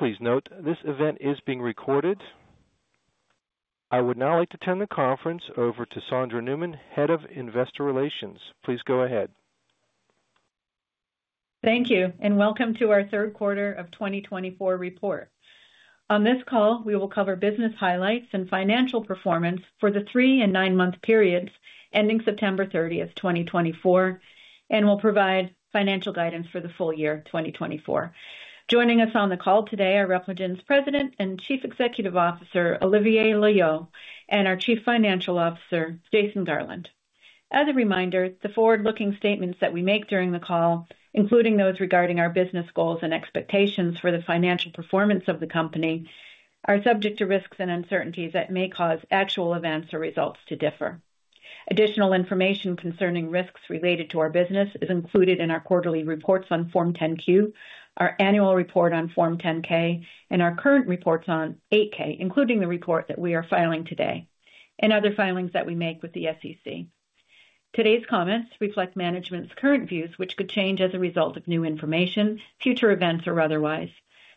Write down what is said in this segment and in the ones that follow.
Please note, this event is being recorded. I would now like to turn the conference over to Sondra Newman, Head of Investor Relations. Please go ahead. Thank you and welcome to our third quarter of 2024 report. On this call, we will cover business highlights and financial performance for the three and nine-month periods ending September 30th, 2024, and will provide financial guidance for the full year 2024. Joining us on the call today are Repligen's President and Chief Executive Officer, Olivier Loeillot, and our Chief Financial Officer, Jason Garland. As a reminder, the forward-looking statements that we make during the call, including those regarding our business goals and expectations for the financial performance of the company, are subject to risks and uncertainties that may cause actual events or results to differ. Additional information concerning risks related to our business is included in our quarterly reports on Form 10-Q, our annual report on Form 10-K, and our current reports on 8-K, including the report that we are filing today and other filings that we make with the SEC. Today's comments reflect management's current views, which could change as a result of new information, future events, or otherwise.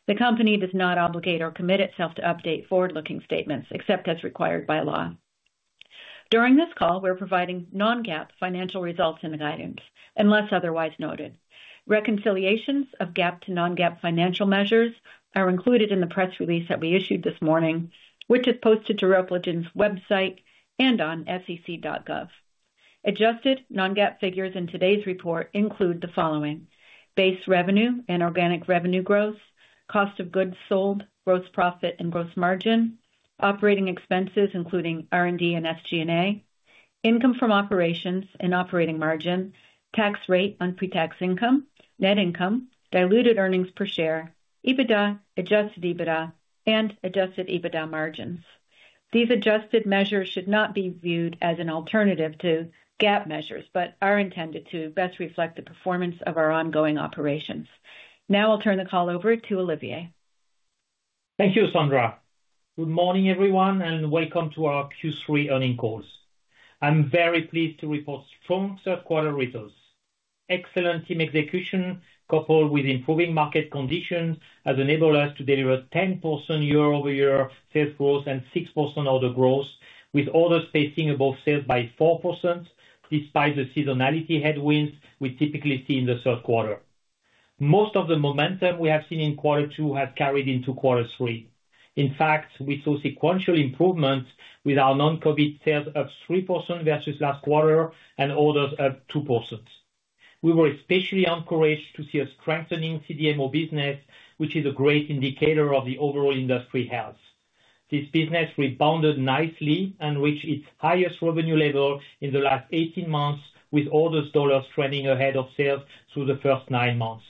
The company does not obligate or commit itself to update forward-looking statements, except as required by law. During this call, we're providing non-GAAP financial results and guidance, unless otherwise noted. Reconciliations of GAAP to non-GAAP financial measures are included in the press release that we issued this morning, which is posted to Repligen's website and on SEC.gov. Adjusted non-GAAP figures in today's report include the following: base revenue and organic revenue growth, cost of goods sold, gross profit and gross margin, operating expenses including R&D and SG&A, income from operations and operating margin, tax rate on pre-tax income, net income, diluted earnings per share, EBITDA, adjusted EBITDA, and adjusted EBITDA margins. These adjusted measures should not be viewed as an alternative to GAAP measures but are intended to best reflect the performance of our ongoing operations. Now I'll turn the call over to Olivier. Thank you, Sondra. Good morning, everyone, and welcome to our Q3 earnings call. I'm very pleased to report strong third-quarter results. Excellent team execution, coupled with improving market conditions, has enabled us to deliver 10% year-over-year sales growth and 6% order growth, with orders pacing above sales by 4% despite the seasonality headwinds we typically see in the third quarter. Most of the momentum we have seen in Q2 has carried into Q3. In fact, we saw sequential improvements, with our non-COVID sales up 3% versus last quarter and orders up 2%. We were especially encouraged to see a strengthening CDMO business, which is a great indicator of the overall industry health. This business rebounded nicely and reached its highest revenue level in the last 18 months, with orders dollars trending ahead of sales through the first nine months.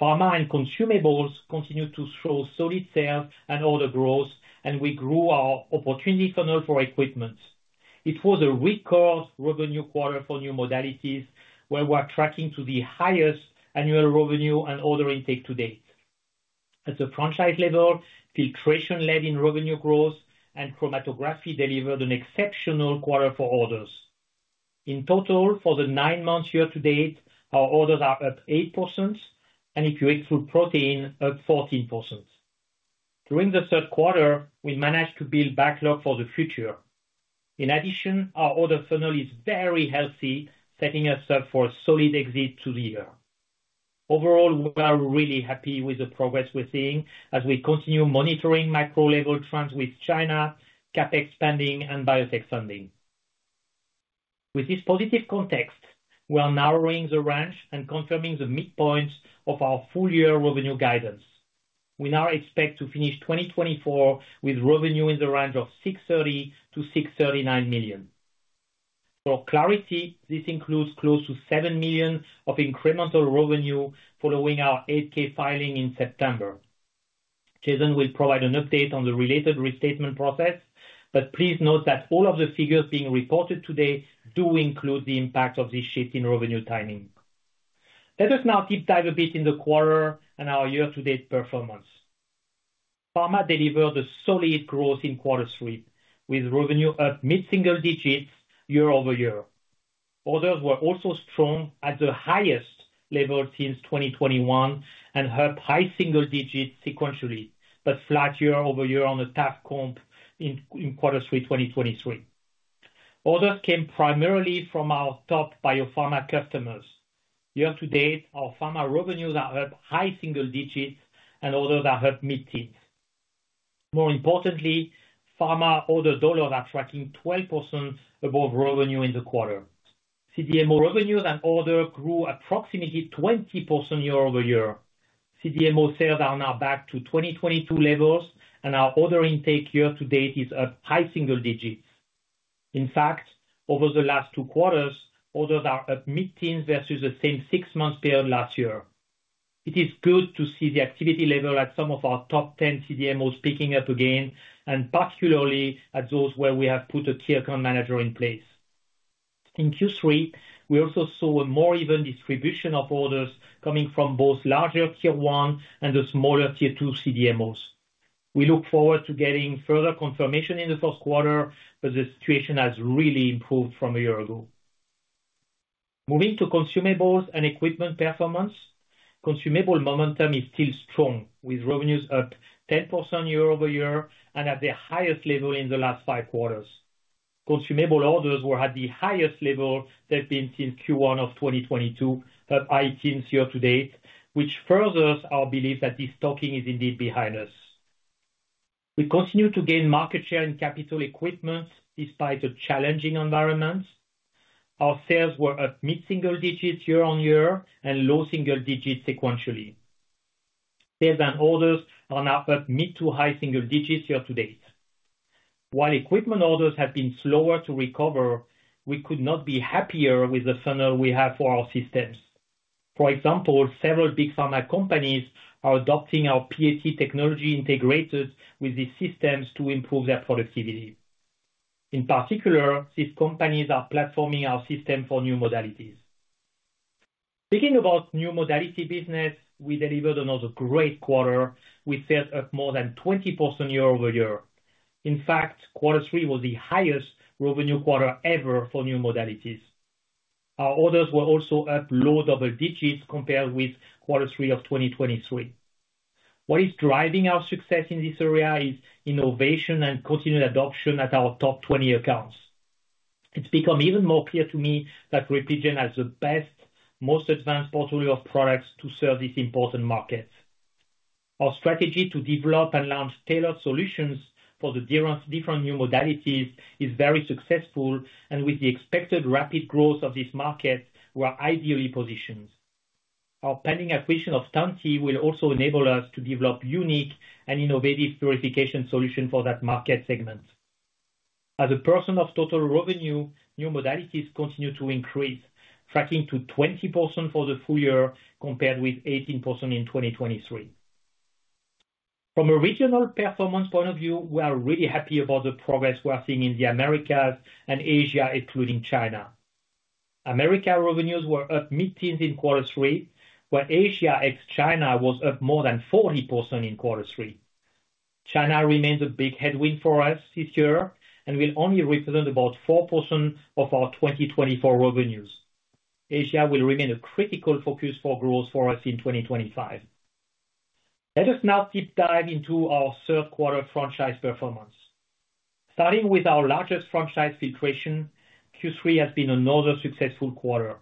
Pharma and consumables continued to show solid sales and order growth, and we grew our opportunity funnel for equipment. It was a record revenue quarter for new modalities, where we're tracking to the highest annual revenue and order intake to date. At the franchise level, Filtration led in revenue growth and Chromatography delivered an exceptional quarter for orders. In total, for the nine-month year to date, our orders are up 8%, and if you exclude protein, up 14%. During the third quarter, we managed to build backlog for the future. In addition, our order funnel is very healthy, setting us up for a solid exit to the year. Overall, we are really happy with the progress we're seeing as we continue monitoring micro-level trends with China, CapEx spending, and biotech funding. With this positive context, we're narrowing the range and confirming the midpoint of our full-year revenue guidance. We now expect to finish 2024 with revenue in the range of $630 million-$639 million. For clarity, this includes close to $7 million of incremental revenue following our 8-K filing in September. Jason will provide an update on the related restatement process, but please note that all of the figures being reported today do include the impact of this shift in revenue timing. Let us now deep dive a bit into the quarter and our year-to-date performance. Pharma delivered a solid growth in Q3, with revenue up mid-single digits year-over-year. Orders were also strong at the highest level since 2021 and up high single digits sequentially, but flat year-over-year on a tough comp in Q3 of 2023. Orders came primarily from our top biopharma customers. Year to date, our pharma revenues are up high single digits, and orders are up mid-tens. More importantly, pharma order dollars are tracking 12% above revenue in the quarter. CDMO revenues and orders grew approximately 20% year-over-year. CDMO sales are now back to 2022 levels, and our order intake year to date is up high single digits. In fact, over the last two quarters, orders are up mid-tens versus the same six-month period last year. It is good to see the activity level at some of our top 10 CDMOs picking up again, and particularly at those where we have put a tier account manager in place. In Q3, we also saw a more even distribution of orders coming from both larger Tier 1 and the smaller Tier 2 CDMOs. We look forward to getting further confirmation in the first quarter, but the situation has really improved from a year ago. Moving to consumables and equipment performance, consumable momentum is still strong, with revenues up 10% year-over-year and at their highest level in the last five quarters. Consumable orders were at the highest level they've been since Q1 of 2022, up high teens year to date, which furthers our belief that this stocking is indeed behind us. We continue to gain market share in capital equipment despite a challenging environment. Our sales were up mid-single digits year-on-year and low single digits sequentially. Sales and orders are now up mid to high single digits year to date. While equipment orders have been slower to recover, we could not be happier with the funnel we have for our systems. For example, several big pharma companies are adopting our PAT technology integrated with these systems to improve their productivity. In particular, these companies are platforming our system for new modalities. Speaking about new modality business, we delivered another great quarter with sales up more than 20% year-over-year. In fact, Q3 was the highest revenue quarter ever for new modalities. Our orders were also up low double digits compared with Q3 of 2023. What is driving our success in this area is innovation and continued adoption at our top 20 accounts. It's become even more clear to me that Repligen has the best, most advanced portfolio of products to serve these important markets. Our strategy to develop and launch tailored solutions for the different new modalities is very successful, and with the expected rapid growth of this market, we're ideally positioned. Our pending acquisition of Tantti will also enable us to develop unique and innovative purification solutions for that market segment. As a percent of total revenue, new modalities continue to increase, tracking to 20% for the full year compared with 18% in 2023. From a regional performance point of view, we are really happy about the progress we're seeing in the Americas and Asia, including China. Americas revenues were up mid-tens in Q3, while Asia ex-China was up more than 40% in Q3. China remains a big headwind for us this year and will only represent about 4% of our 2024 revenues. Asia will remain a critical focus for growth for us in 2025. Let us now deep dive into our third-quarter franchise performance. Starting with our largest franchise filtration, Q3 has been another successful quarter.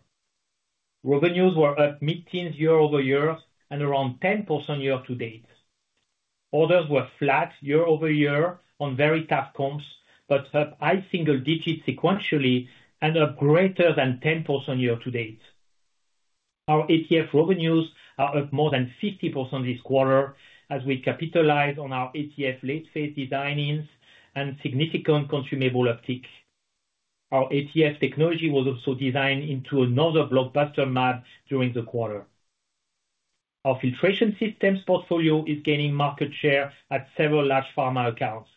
Revenues were up mid-tens year-over-year and around 10% year to date. Orders were flat year-over-year on very tough comps but up high single digits sequentially and up greater than 10% year to date. Our TFF revenues are up more than 50% this quarter as we capitalize on our TFF late-phase designs and significant consumable uptake. Our TFF technology was also designed into another blockbuster mAb during the quarter. Our filtration systems portfolio is gaining market share at several large pharma accounts.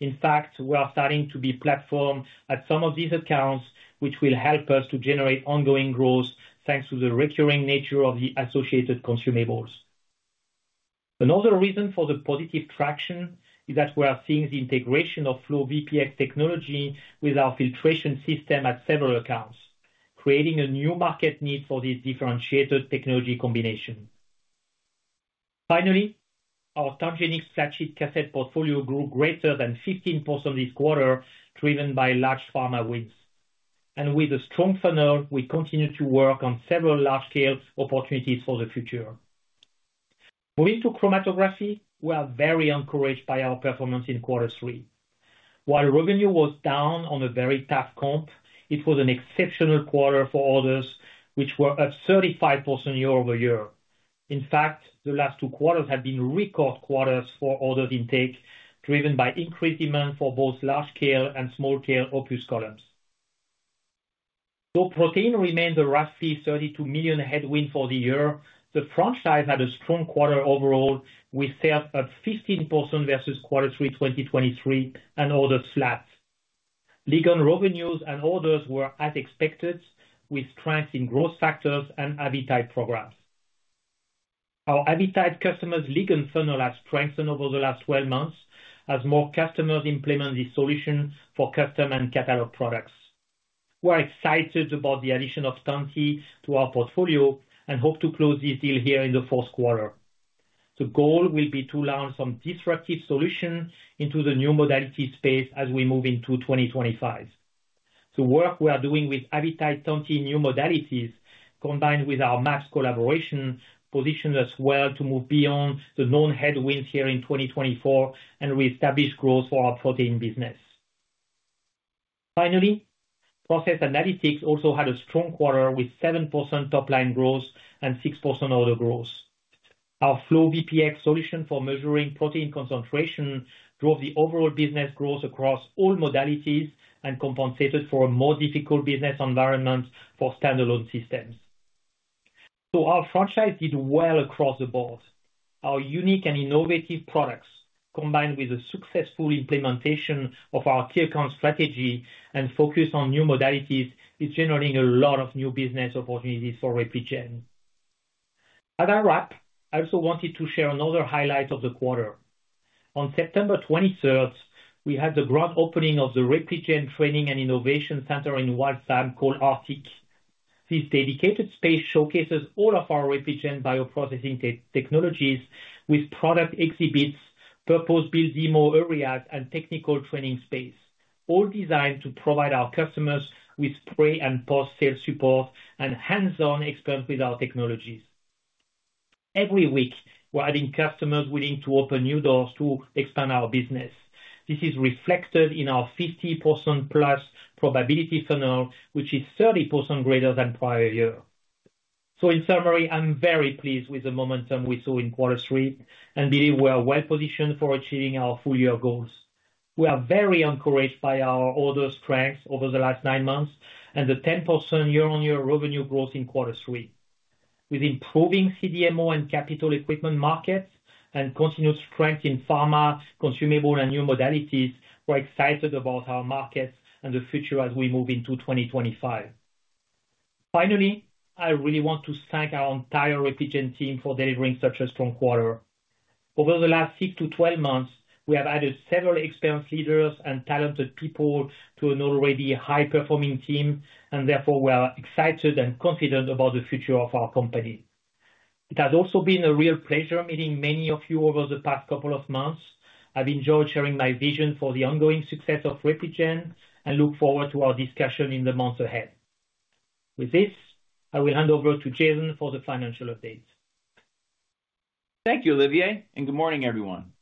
In fact, we are starting to be platformed at some of these accounts, which will help us to generate ongoing growth thanks to the recurring nature of the associated consumables. Another reason for the positive traction is that we are seeing the integration of FlowVPX technology with our filtration system at several accounts, creating a new market need for this differentiated technology combination. Finally, our TangenX flat sheet cassette portfolio grew greater than 15% this quarter, driven by large pharma wins. With a strong funnel, we continue to work on several large-scale opportunities for the future. Moving to chromatography, we are very encouraged by our performance in Q3. While revenue was down on a very tough comp, it was an exceptional quarter for orders, which were up 35% year-over-year. In fact, the last two quarters have been record quarters for orders intake, driven by increased demand for both large-scale and small-scale Opus columns. Though protein remains a roughly $32 million headwind for the year, the franchise had a strong quarter overall, with sales up 15% versus Q3 2023 and orders flat. Ligand revenues and orders were as expected, with strength in growth factors and Avitide programs. Our Avitide customers' Ligand funnel has strengthened over the last 12 months as more customers implement this solution for custom and catalog products. We're excited about the addition of Tantti to our portfolio and hope to close this deal here in the fourth quarter. The goal will be to launch some disruptive solutions into the new modality space as we move into 2025. The work we are doing with Avitide Tantti new modalities, combined with our MAPS collaboration, positions us well to move beyond the known headwinds here in 2024 and reestablish growth for our protein business. Finally, Process Analytics also had a strong quarter with 7% top-line growth and 6% order growth. Our FlowVPX solution for measuring protein concentration drove the overall business growth across all modalities and compensated for a more difficult business environment for standalone systems. So our franchise did well across the board. Our unique and innovative products, combined with the successful implementation of our tier account strategy and focus on new modalities, is generating a lot of new business opportunities for Repligen. As I wrap, I also wanted to share another highlight of the quarter. On September 23rd, we had the grand opening of the Repligen Training and Innovation Center in Westwood called RTIC. This dedicated space showcases all of our Repligen bioprocessing technologies with product exhibits, purpose-built demo areas, and technical training space, all designed to provide our customers with pre- and post-sale support and hands-on experience with our technologies. Every week, we're adding customers willing to open new doors to expand our business. This is reflected in our 50% plus probability funnel, which is 30% greater than prior year. So in summary, I'm very pleased with the momentum we saw in Q3 and believe we are well positioned for achieving our full-year goals. We are very encouraged by our order strength over the last nine months and the 10% year-on-year revenue growth in Q3. With improving CDMO and capital equipment markets and continued strength in pharma, consumable, and new modalities, we're excited about our markets and the future as we move into 2025. Finally, I really want to thank our entire Repligen team for delivering such a strong quarter. Over the last six to 12 months, we have added several experienced leaders and talented people to an already high-performing team, and therefore, we are excited and confident about the future of our company. It has also been a real pleasure meeting many of you over the past couple of months. I've enjoyed sharing my vision for the ongoing success of Repligen and look forward to our discussion in the months ahead. With this, I will hand over to Jason for the financial update. Thank you, Olivier, and good morning, everyone.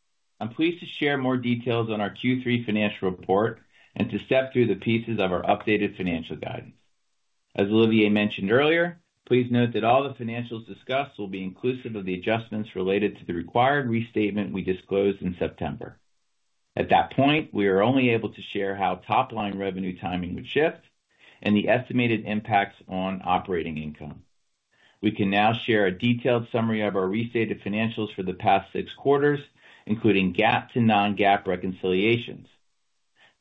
I'm pleased to share more details on our Q3 financial report and to step through the pieces of our updated financial guidance. As Olivier mentioned earlier, please note that all the financials discussed will be inclusive of the adjustments related to the required restatement we disclosed in September. At that point, we are only able to share how top-line revenue timing would shift and the estimated impacts on operating income. We can now share a detailed summary of our restated financials for the past six quarters, including GAAP to non-GAAP reconciliations.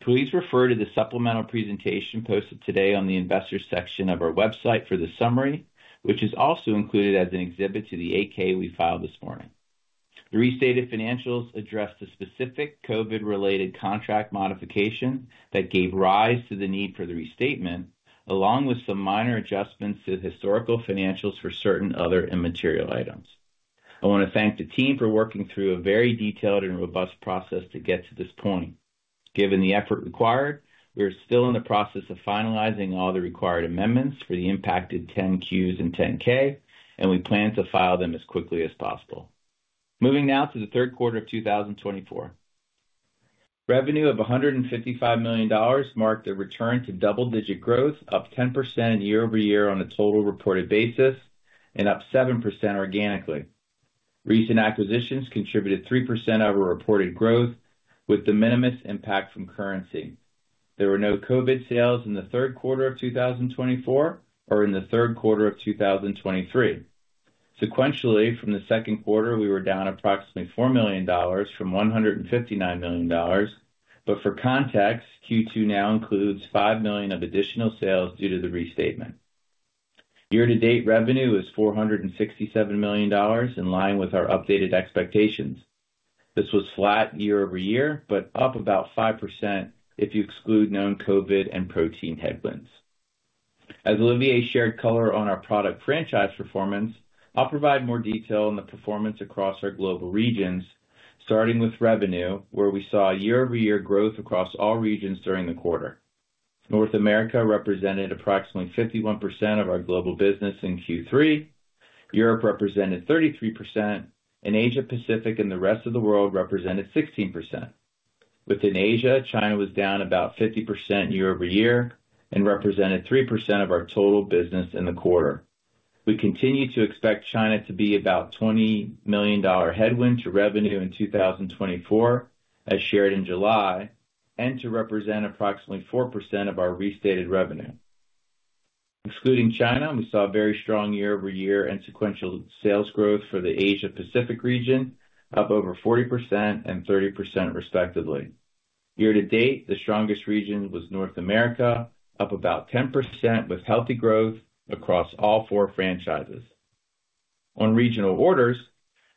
Please refer to the supplemental presentation posted today on the investor section of our website for the summary, which is also included as an exhibit to the 8-K we filed this morning. The restated financials address the specific COVID-related contract modification that gave rise to the need for the restatement, along with some minor adjustments to the historical financials for certain other immaterial items. I want to thank the team for working through a very detailed and robust process to get to this point. Given the effort required, we are still in the process of finalizing all the required amendments for the impacted 10-Qs and 10-K, and we plan to file them as quickly as possible. Moving now to the third quarter of 2024. Revenue of $155 million marked a return to double-digit growth, up 10% year-over-year on a total reported basis and up 7% organically. Recent acquisitions contributed 3% of our reported growth, with the minimal impact from currency. There were no COVID sales in the third quarter of 2024 or in the third quarter of 2023. Sequentially, from the second quarter, we were down approximately $4 million from $159 million, but for context, Q2 now includes $5 million of additional sales due to the restatement. Year-to-date revenue is $467 million, in line with our updated expectations. This was flat year-over-year, but up about 5% if you exclude known COVID and protein headwinds. As Olivier shared color on our product franchise performance, I'll provide more detail on the performance across our global regions, starting with revenue, where we saw year-over-year growth across all regions during the quarter. North America represented approximately 51% of our global business in Q3. Europe represented 33%, and Asia-Pacific and the rest of the world represented 16%. Within Asia, China was down about 50% year-over-year and represented 3% of our total business in the quarter. We continue to expect China to be about $20 million headwind to revenue in 2024, as shared in July, and to represent approximately 4% of our restated revenue. Excluding China, we saw very strong year-over-year and sequential sales growth for the Asia-Pacific region, up over 40% and 30%, respectively. Year-to-date, the strongest region was North America, up about 10% with healthy growth across all four franchises. On regional orders,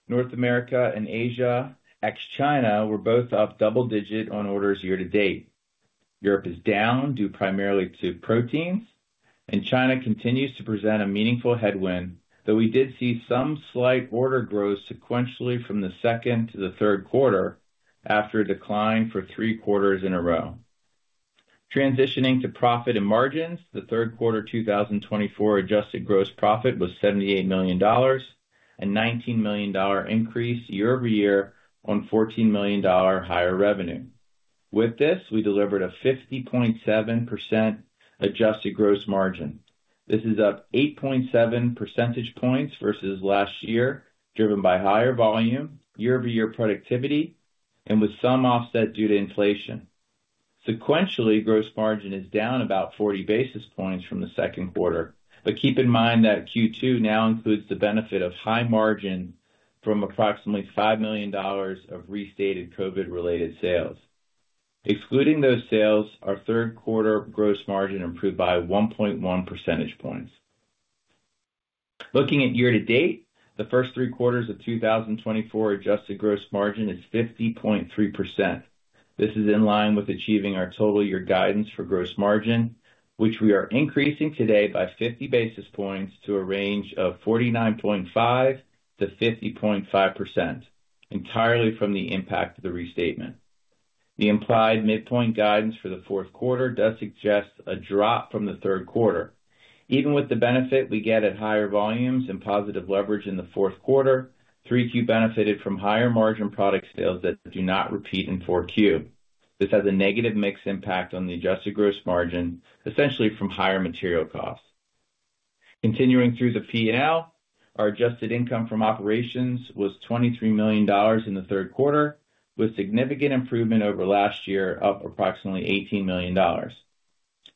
North America and Asia ex-China were both up double-digit on orders year-to-date. Europe is down due primarily to Proteins, and China continues to present a meaningful headwind, though we did see some slight order growth sequentially from the second to the third quarter after a decline for three quarters in a row. Transitioning to profit and margins, the third quarter 2024 adjusted gross profit was $78 million, a $19 million increase year-over-year on $14 million higher revenue. With this, we delivered a 50.7% adjusted gross margin. This is up 8.7 percentage points versus last year, driven by higher volume, year-over-year productivity, and with some offset due to inflation. Sequentially, gross margin is down about 40 basis points from the second quarter, but keep in mind that Q2 now includes the benefit of high margin from approximately $5 million of restated COVID-related sales. Excluding those sales, our third quarter gross margin improved by 1.1 percentage points. Looking at year-to-date, the first three quarters of 2024 adjusted gross margin is 50.3%. This is in line with achieving our total year guidance for gross margin, which we are increasing today by 50 basis points to a range of 49.5%-50.5%, entirely from the impact of the restatement. The implied midpoint guidance for the fourth quarter does suggest a drop from the third quarter. Even with the benefit we get at higher volumes and positive leverage in the fourth quarter, 3Q benefited from higher margin product sales that do not repeat in 4Q. This has a negative mixed impact on the adjusted gross margin, essentially from higher material costs. Continuing through the P&L, our adjusted income from operations was $23 million in the third quarter, with significant improvement over last year, up approximately $18 million.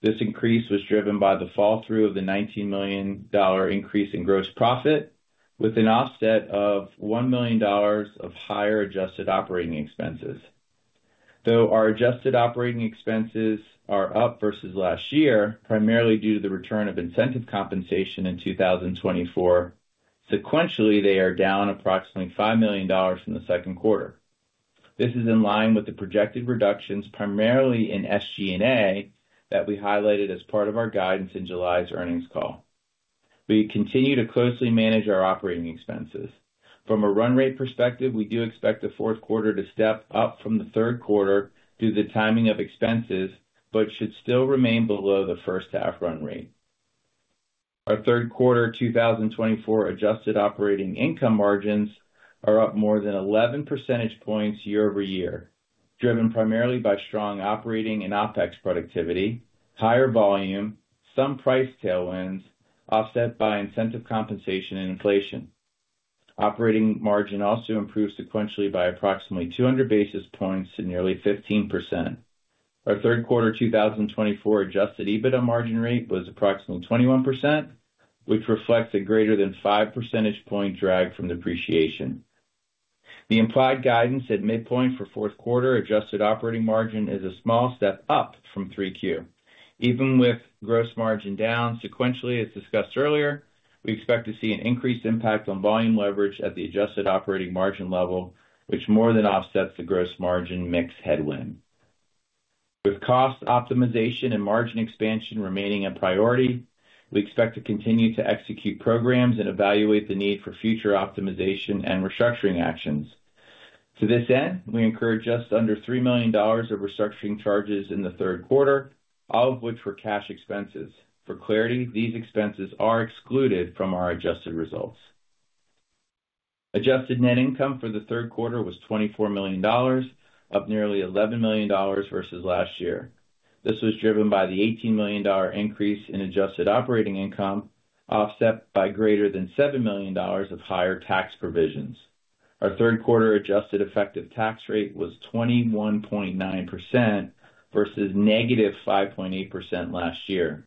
This increase was driven by the fall-through of the $19 million increase in gross profit, with an offset of $1 million of higher adjusted operating expenses. Though our adjusted operating expenses are up versus last year, primarily due to the return of incentive compensation in 2024, sequentially, they are down approximately $5 million from the second quarter. This is in line with the projected reductions primarily in SG&A that we highlighted as part of our guidance in July's earnings call. We continue to closely manage our operating expenses. From a run rate perspective, we do expect the fourth quarter to step up from the third quarter due to the timing of expenses, but should still remain below the first-half run rate. Our third quarter 2024 adjusted operating income margins are up more than 11 percentage points year-over-year, driven primarily by strong operating and OPEX productivity, higher volume, some price tailwinds, offset by incentive compensation and inflation. Operating margin also improved sequentially by approximately 200 basis points to nearly 15%. Our third quarter 2024 adjusted EBITDA margin rate was approximately 21%, which reflects a greater than 5 percentage point drag from depreciation. The implied guidance at midpoint for fourth quarter adjusted operating margin is a small step up from 3Q. Even with gross margin down sequentially, as discussed earlier, we expect to see an increased impact on volume leverage at the adjusted operating margin level, which more than offsets the gross margin mix headwind. With cost optimization and margin expansion remaining a priority, we expect to continue to execute programs and evaluate the need for future optimization and restructuring actions. To this end, we incurred just under $3 million of restructuring charges in the third quarter, all of which were cash expenses. For clarity, these expenses are excluded from our adjusted results. Adjusted net income for the third quarter was $24 million, up nearly $11 million versus last year. This was driven by the $18 million increase in adjusted operating income, offset by greater than $7 million of higher tax provisions. Our third quarter adjusted effective tax rate was 21.9% versus -5.8% last year.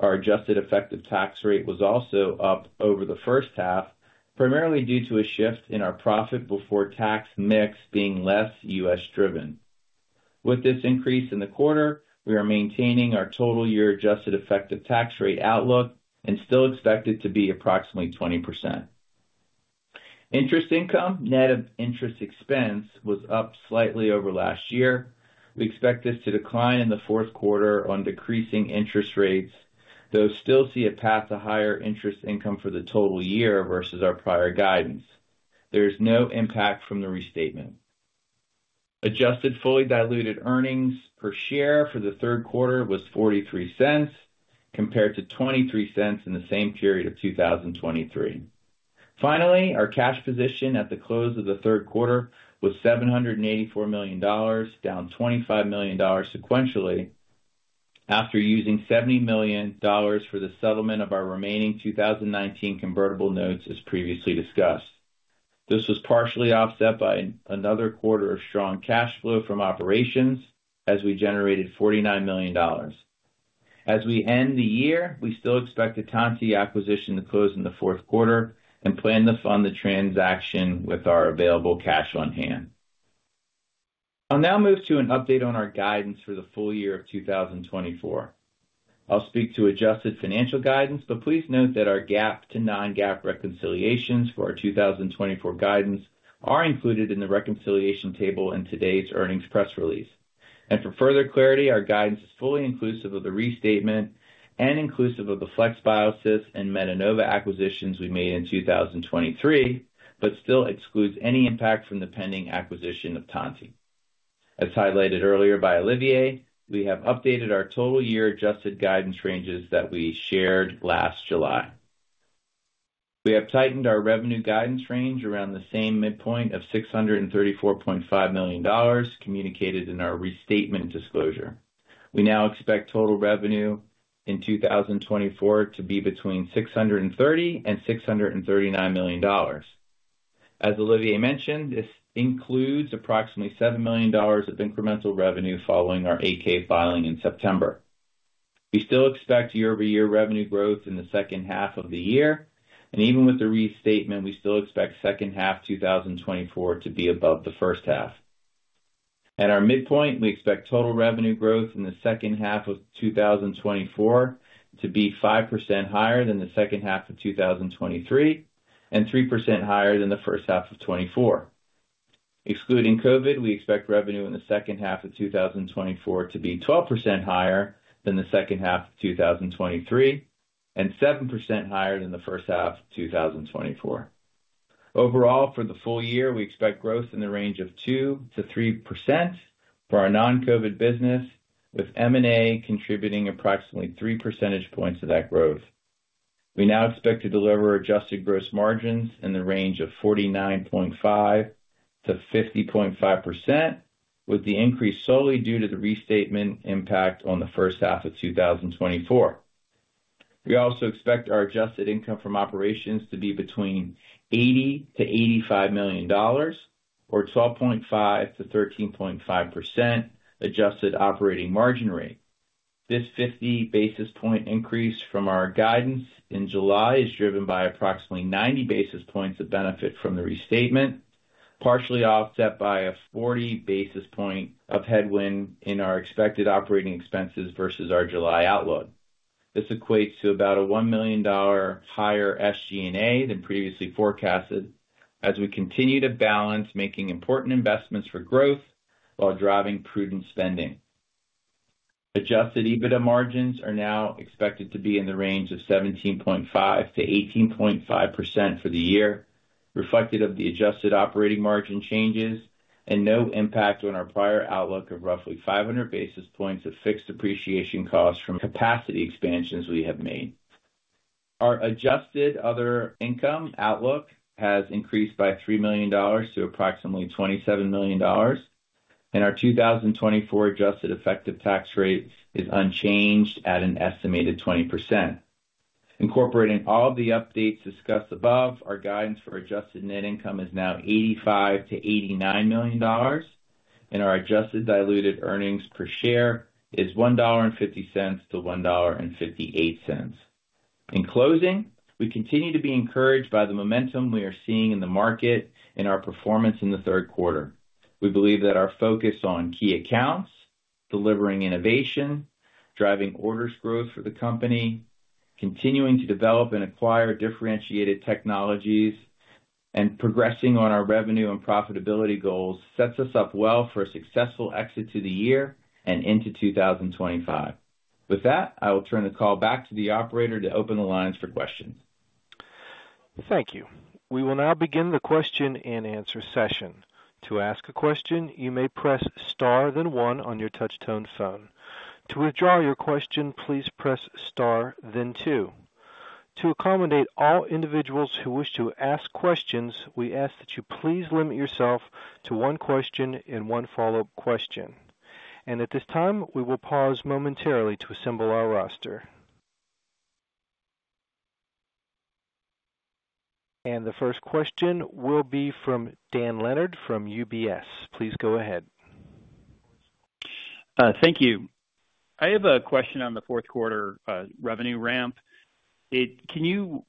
Our adjusted effective tax rate was also up over the first half, primarily due to a shift in our profit before tax mix being less U.S.-driven. With this increase in the quarter, we are maintaining our total year adjusted effective tax rate outlook and still expect it to be approximately 20%. Interest income, net of interest expense, was up slightly over last year. We expect this to decline in the fourth quarter on decreasing interest rates, though still see a path to higher interest income for the total year versus our prior guidance. There is no impact from the restatement. Adjusted fully diluted earnings per share for the third quarter was $0.43, compared to $0.23 in the same period of 2023. Finally, our cash position at the close of the third quarter was $784 million, down $25 million sequentially, after using $70 million for the settlement of our remaining 2019 convertible notes, as previously discussed. This was partially offset by another quarter of strong cash flow from operations, as we generated $49 million. As we end the year, we still expect a Tantti acquisition to close in the fourth quarter and plan to fund the transaction with our available cash on hand. I'll now move to an update on our guidance for the full year of 2024. I'll speak to adjusted financial guidance, but please note that our GAAP to non-GAAP reconciliations for our 2024 guidance are included in the reconciliation table in today's earnings press release. For further clarity, our guidance is fully inclusive of the restatement and inclusive of the FlexBiosys and Metenova acquisitions we made in 2023, but still excludes any impact from the pending acquisition of Tantti. As highlighted earlier by Olivier, we have updated our total year adjusted guidance ranges that we shared last July. We have tightened our revenue guidance range around the same midpoint of $634.5 million, communicated in our restatement disclosure. We now expect total revenue in 2024 to be between $630 and $639 million. As Olivier mentioned, this includes approximately $7 million of incremental revenue following our 8-K filing in September. We still expect year-over-year revenue growth in the second half of the year, and even with the restatement, we still expect second half 2024 to be above the first half. At our midpoint, we expect total revenue growth in the second half of 2024 to be 5% higher than the second half of 2023 and 3% higher than the first half of 2024. Excluding COVID, we expect revenue in the second half of 2024 to be 12% higher than the second half of 2023 and 7% higher than the first half of 2024. Overall, for the full year, we expect growth in the range of 2%-3% for our non-COVID business, with M&A contributing approximately 3 percentage points to that growth. We now expect to deliver adjusted gross margins in the range of 49.5%-50.5%, with the increase solely due to the restatement impact on the first half of 2024. We also expect our adjusted income from operations to be between $80-$85 million, or 12.5%-13.5% adjusted operating margin rate. This 50 basis points increase from our guidance in July is driven by approximately 90 basis points of benefit from the restatement, partially offset by a 40 basis points of headwind in our expected operating expenses versus our July outlook. This equates to about a $1 million higher SG&A than previously forecasted, as we continue to balance making important investments for growth while driving prudent spending. Adjusted EBITDA margins are now expected to be in the range of 17.5%-18.5% for the year, reflective of the adjusted operating margin changes and no impact on our prior outlook of roughly 500 basis points of fixed depreciation costs from capacity expansions we have made. Our adjusted other income outlook has increased by $3 million to approximately $27 million, and our 2024 adjusted effective tax rate is unchanged at an estimated 20%. Incorporating all of the updates discussed above, our guidance for adjusted net income is now $85-$89 million, and our adjusted diluted earnings per share is $1.50-$1.58. In closing, we continue to be encouraged by the momentum we are seeing in the market and our performance in the third quarter. We believe that our focus on key accounts, delivering innovation, driving orders growth for the company, continuing to develop and acquire differentiated technologies, and progressing on our revenue and profitability goals sets us up well for a successful exit to the year and into 2025. With that, I will turn the call back to the operator to open the lines for questions. Thank you. We will now begin the question and answer session. To ask a question, you may press star then one on your touch-tone phone. To withdraw your question, please press star then two. To accommodate all individuals who wish to ask questions, we ask that you please limit yourself to one question and one follow-up question. And at this time, we will pause momentarily to assemble our roster. And the first question will be from Dan Leonard from UBS. Please go ahead. Thank you. I have a question on the fourth quarter revenue ramp. Can you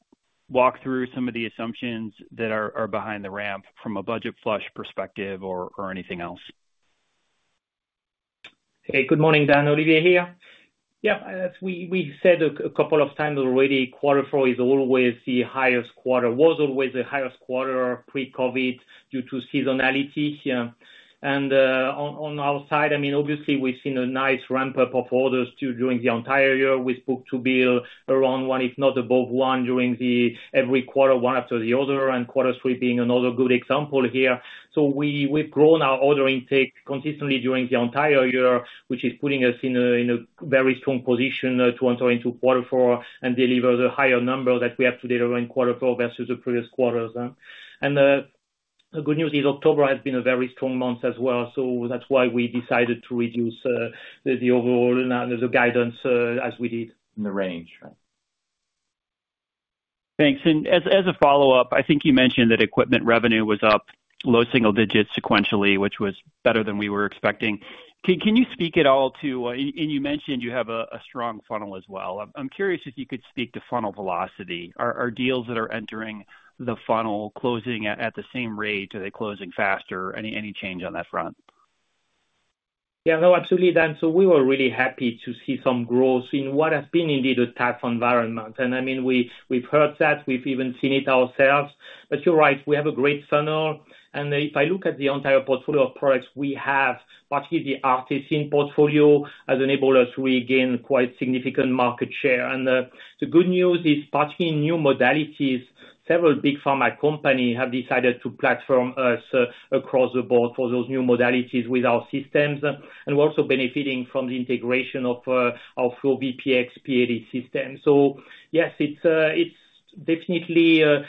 walk through some of the assumptions that are behind the ramp from a budget flush perspective or anything else? Hey, good morning, Dan. Olivier here. Yeah, as we said a couple of times already, quarter four is always the highest quarter. Was always the highest quarter pre-COVID due to seasonality. And on our side, I mean, obviously, we've seen a nice ramp-up of orders during the entire year. We spoke to Bill around one, if not above one, during every quarter, one after the other, and quarter three being another good example here. So we've grown our order intake consistently during the entire year, which is putting us in a very strong position to enter into quarter four and deliver the higher number that we have today around quarter four versus the previous quarters. And the good news is October has been a very strong month as well. So that's why we decided to reduce the overall guidance as we did in the range, right? Thanks. And as a follow-up, I think you mentioned that equipment revenue was up, low single digits sequentially, which was better than we were expecting. Can you speak at all to, and you mentioned you have a strong funnel as well. I'm curious if you could speak to funnel velocity. Are deals that are entering the funnel closing at the same rate, or are they closing faster? Any change on that front? Yeah, no, absolutely, Dan. So we were really happy to see some growth in what has been indeed a tough environment. And I mean, we've heard that. We've even seen it ourselves. But you're right. We have a great funnel. And if I look at the entire portfolio of products, we have partly the ARTeSYN portfolio that enables us to regain quite significant market share. And the good news is, partly in new modalities, several big pharma companies have decided to platform us across the board for those new modalities with our systems. And we're also benefiting from the integration of our FlowVPX PLE system. So yes, it's definitely a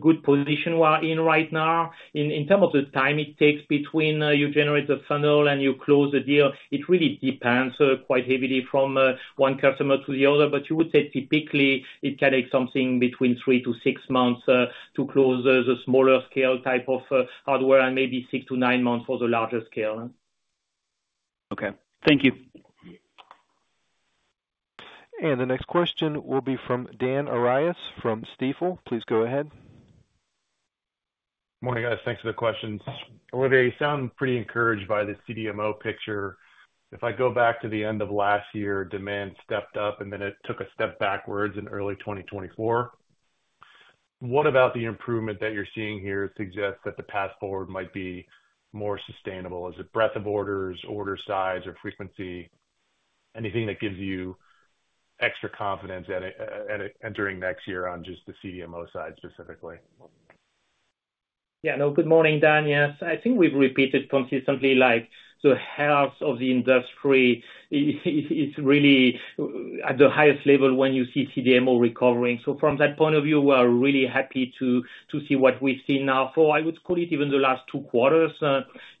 good position we're in right now. In terms of the time it takes between you generate the funnel and you close the deal, it really depends quite heavily from one customer to the other. But you would say typically it can take something between three to six months to close the smaller scale type of hardware and maybe six to nine months for the larger scale. Okay. Thank you. And the next question will be from Dan Arias from Stifel. Please go ahead. Morning, guys. Thanks for the questions. Olivier, you sound pretty encouraged by the CDMO picture. If I go back to the end of last year, demand stepped up, and then it took a step backwards in early 2024. What about the improvement that you're seeing here suggests that the path forward might be more sustainable? Is it breadth of orders, order size, or frequency? Anything that gives you extra confidence entering next year on just the CDMO side specifically? Yeah. No, good morning, Dan. Yes. I think we've repeated consistently the health of the industry. It's really at the highest level when you see CDMO recovering. So from that point of view, we are really happy to see what we've seen now for, I would call it, even the last two quarters.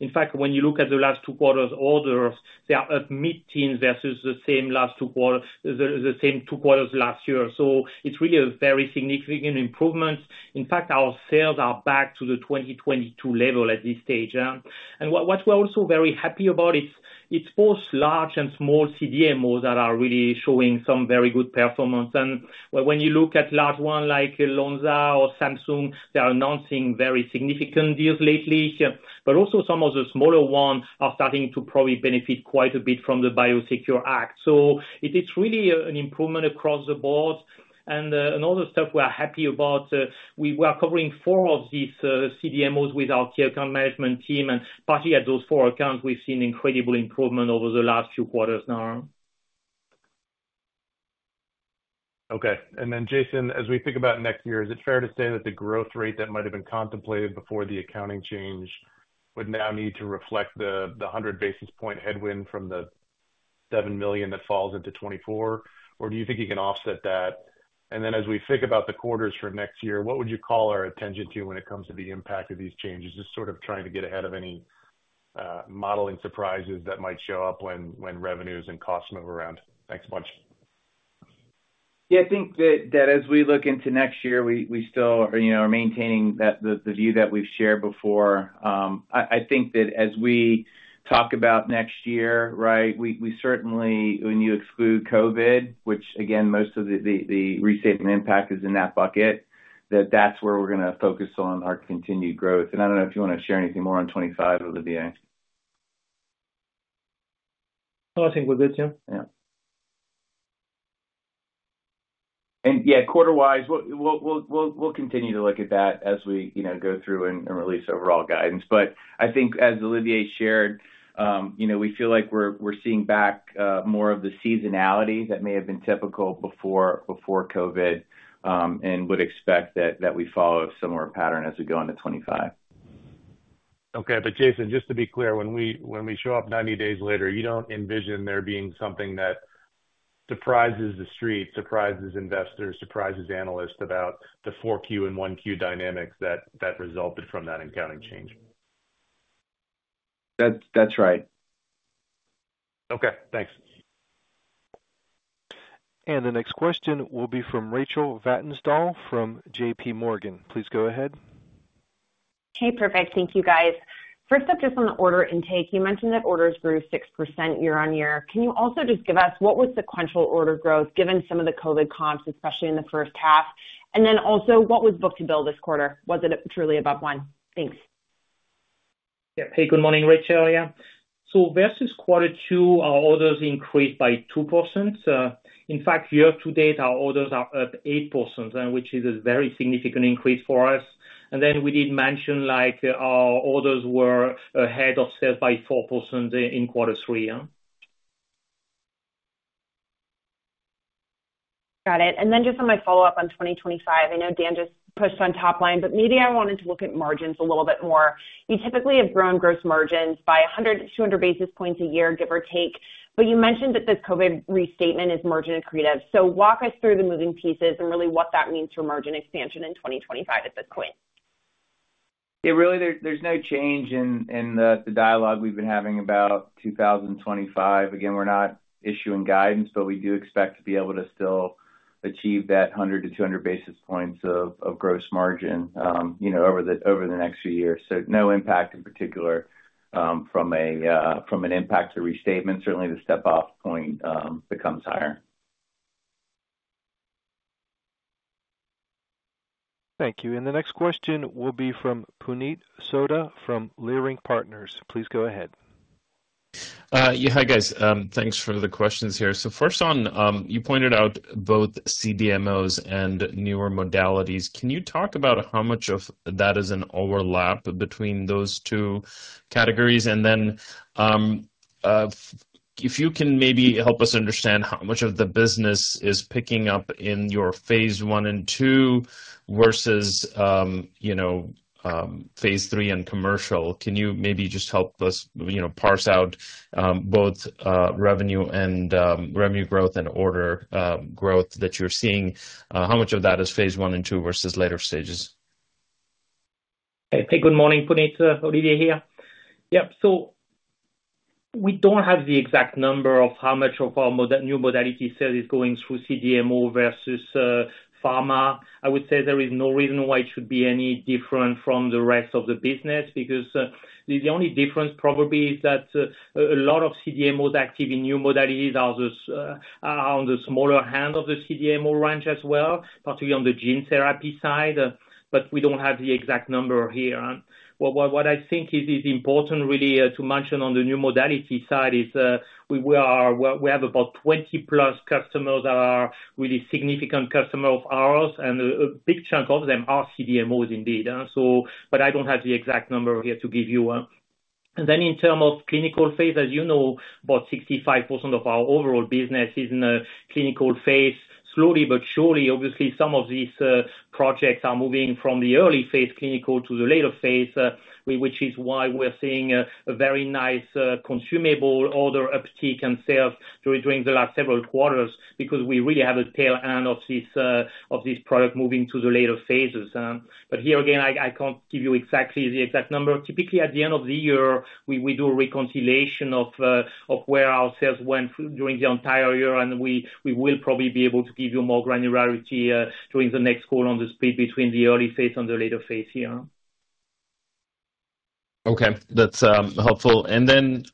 In fact, when you look at the last two quarters orders, they are at mid-teens versus the same last two quarters, the same two quarters last year. So it's really a very significant improvement. In fact, our sales are back to the 2022 level at this stage. And what we're also very happy about, it's both large and small CDMOs that are really showing some very good performance. When you look at large ones like Lonza or Samsung, they are announcing very significant deals lately. But also some of the smaller ones are starting to probably benefit quite a bit from the Biosecure Act. So it's really an improvement across the board. Another stuff we're happy about, we were covering four of these CDMOs with our key account management team. And partly at those four accounts, we've seen incredible improvement over the last few quarters now. Okay. Then, Jason, as we think about next year, is it fair to say that the growth rate that might have been contemplated before the accounting change would now need to reflect the 100 basis points headwind from the $7 million that falls into 2024? Or do you think you can offset that? And then as we think about the quarters for next year, what would you call our attention to when it comes to the impact of these changes? Just sort of trying to get ahead of any modeling surprises that might show up when revenues and costs move around. Thanks a bunch. Yeah, I think that as we look into next year, we still are maintaining the view that we've shared before. I think that as we talk about next year, right, we certainly, when you exclude COVID, which again, most of the restatement impact is in that bucket, that that's where we're going to focus on our continued growth. And I don't know if you want to share anything more on 2025, Olivier. No, I think we're good, Tim. Yeah. And yeah, quarter-wise, we'll continue to look at that as we go through and release overall guidance. But I think as Olivier shared, we feel like we're seeing back more of the seasonality that may have been typical before COVID and would expect that we follow a similar pattern as we go into 2025. Okay. But Jason, just to be clear, when we show up 90 days later, you don't envision there being something that surprises the street, surprises investors, surprises analysts about the 4Q and 1Q dynamics that resulted from that accounting change. That's right. Okay. Thanks. And the next question will be from Rachel Vatnsdal from J.P. Morgan. Please go ahead. Hey, perfect. Thank you, guys. First up, just on the order intake, you mentioned that orders grew 6% year-on-year. Can you also just give us what was sequential order growth given some of the COVID comps, especially in the first half? And then also, what was book-to-bill this quarter? Was it truly above one? Thanks. Yeah. Hey, good morning, Rachel. Yeah. So versus quarter two, our orders increased by 2%. In fact, year-to-date, our orders are up 8%, which is a very significant increase for us. And then we did mention our orders were ahead of sales by 4% in quarter three. Got it. And then just on my follow-up on 2025, I know Dan just pushed on top line, but maybe I wanted to look at margins a little bit more. You typically have grown gross margins by 100-200 basis points a year, give or take. But you mentioned that this COVID restatement is margin-accretive. So walk us through the moving pieces and really what that means for margin expansion in 2025 at this point. Yeah, really, there's no change in the dialogue we've been having about 2025. Again, we're not issuing guidance, but we do expect to be able to still achieve that 100-200 basis points of gross margin over the next few years. So no impact in particular from an impact to restatement. Certainly, the step-off point becomes higher. Thank you. And the next question will be from Puneet Souda from Leerink Partners. Please go ahead. Yeah, hi guys. Thanks for the questions here. So, first on, you pointed out both CDMOs and newer modalities. Can you talk about how much of that is an overlap between those two categories? And then if you can maybe help us understand how much of the business is picking up in your phase one and two versus phase three and commercial, can you maybe just help us parse out both revenue and revenue growth and order growth that you're seeing? How much of that is phase one and two versus later stages? Okay. Hey, good morning, Puneet. Olivier here. Yep. So we don't have the exact number of how much of our new modality sales is going through CDMO versus pharma. I would say there is no reason why it should be any different from the rest of the business because the only difference probably is that a lot of CDMOs active in new modalities are on the smaller end of the CDMO range as well, particularly on the gene therapy side. But we don't have the exact number here. What I think is important really to mention on the new modality side is we have about 20+ customers that are really significant customers of ours, and a big chunk of them are CDMOs indeed. But I don't have the exact number here to give you. In terms of clinical phase, as you know, about 65% of our overall business is in the clinical phase. Slowly but surely, obviously, some of these projects are moving from the early phase clinical to the later phase, which is why we're seeing a very nice consumable order uptick and sales during the last several quarters because we really have a tail end of this product moving to the later phases. But here, again, I can't give you exactly the exact number. Typically, at the end of the year, we do a reconciliation of where our sales went during the entire year, and we will probably be able to give you more granularity during the next call on the split between the early phase and the later phase here. Okay. That's helpful. And then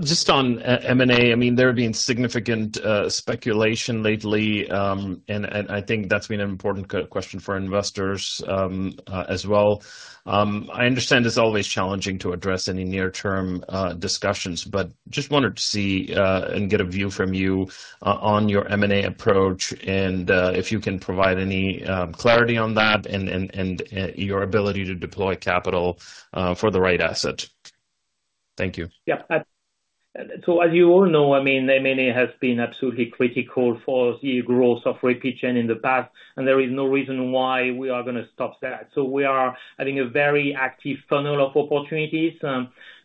just on M&A, I mean, there have been significant speculation lately, and I think that's been an important question for investors as well. I understand it's always challenging to address any near-term discussions, but just wanted to see and get a view from you on your M&A approach and if you can provide any clarity on that and your ability to deploy capital for the right asset. Thank you. Yep. So as you all know, I mean, M&A has been absolutely critical for the growth of Repligen in the past, and there is no reason why we are going to stop that. So we are, I think, a very active funnel of opportunities.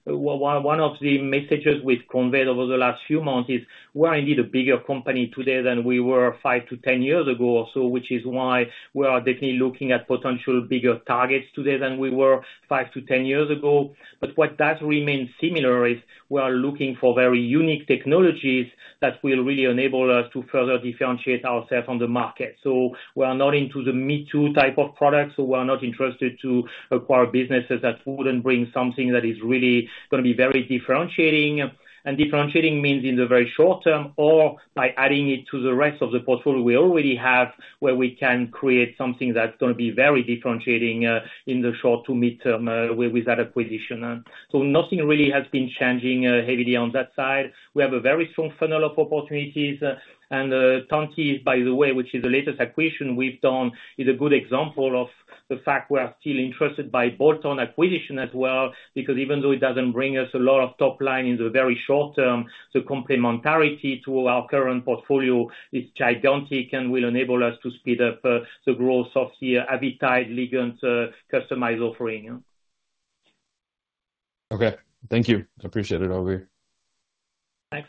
One of the messages we've conveyed over the last few months is we are indeed a bigger company today than we were five to 10 years ago or so, which is why we are definitely looking at potential bigger targets today than we were five to 10 years ago, but what does remain similar is we are looking for very unique technologies that will really enable us to further differentiate ourselves on the market, so we're not into the me-too type of products, so we're not interested to acquire businesses that wouldn't bring something that is really going to be very differentiating, and differentiating means in the very short term or by adding it to the rest of the portfolio we already have where we can create something that's going to be very differentiating in the short to mid-term with that acquisition. So nothing really has been changing heavily on that side. We have a very strong funnel of opportunities. And Tantti, by the way, which is the latest acquisition we've done, is a good example of the fact we are still interested by bolt-on acquisition as well because even though it doesn't bring us a lot of top line in the very short term, the complementarity to our current portfolio is gigantic and will enable us to speed up the growth of the Avitide ligand customized offering. Okay. Thank you. Appreciate it, Olivier. Thanks.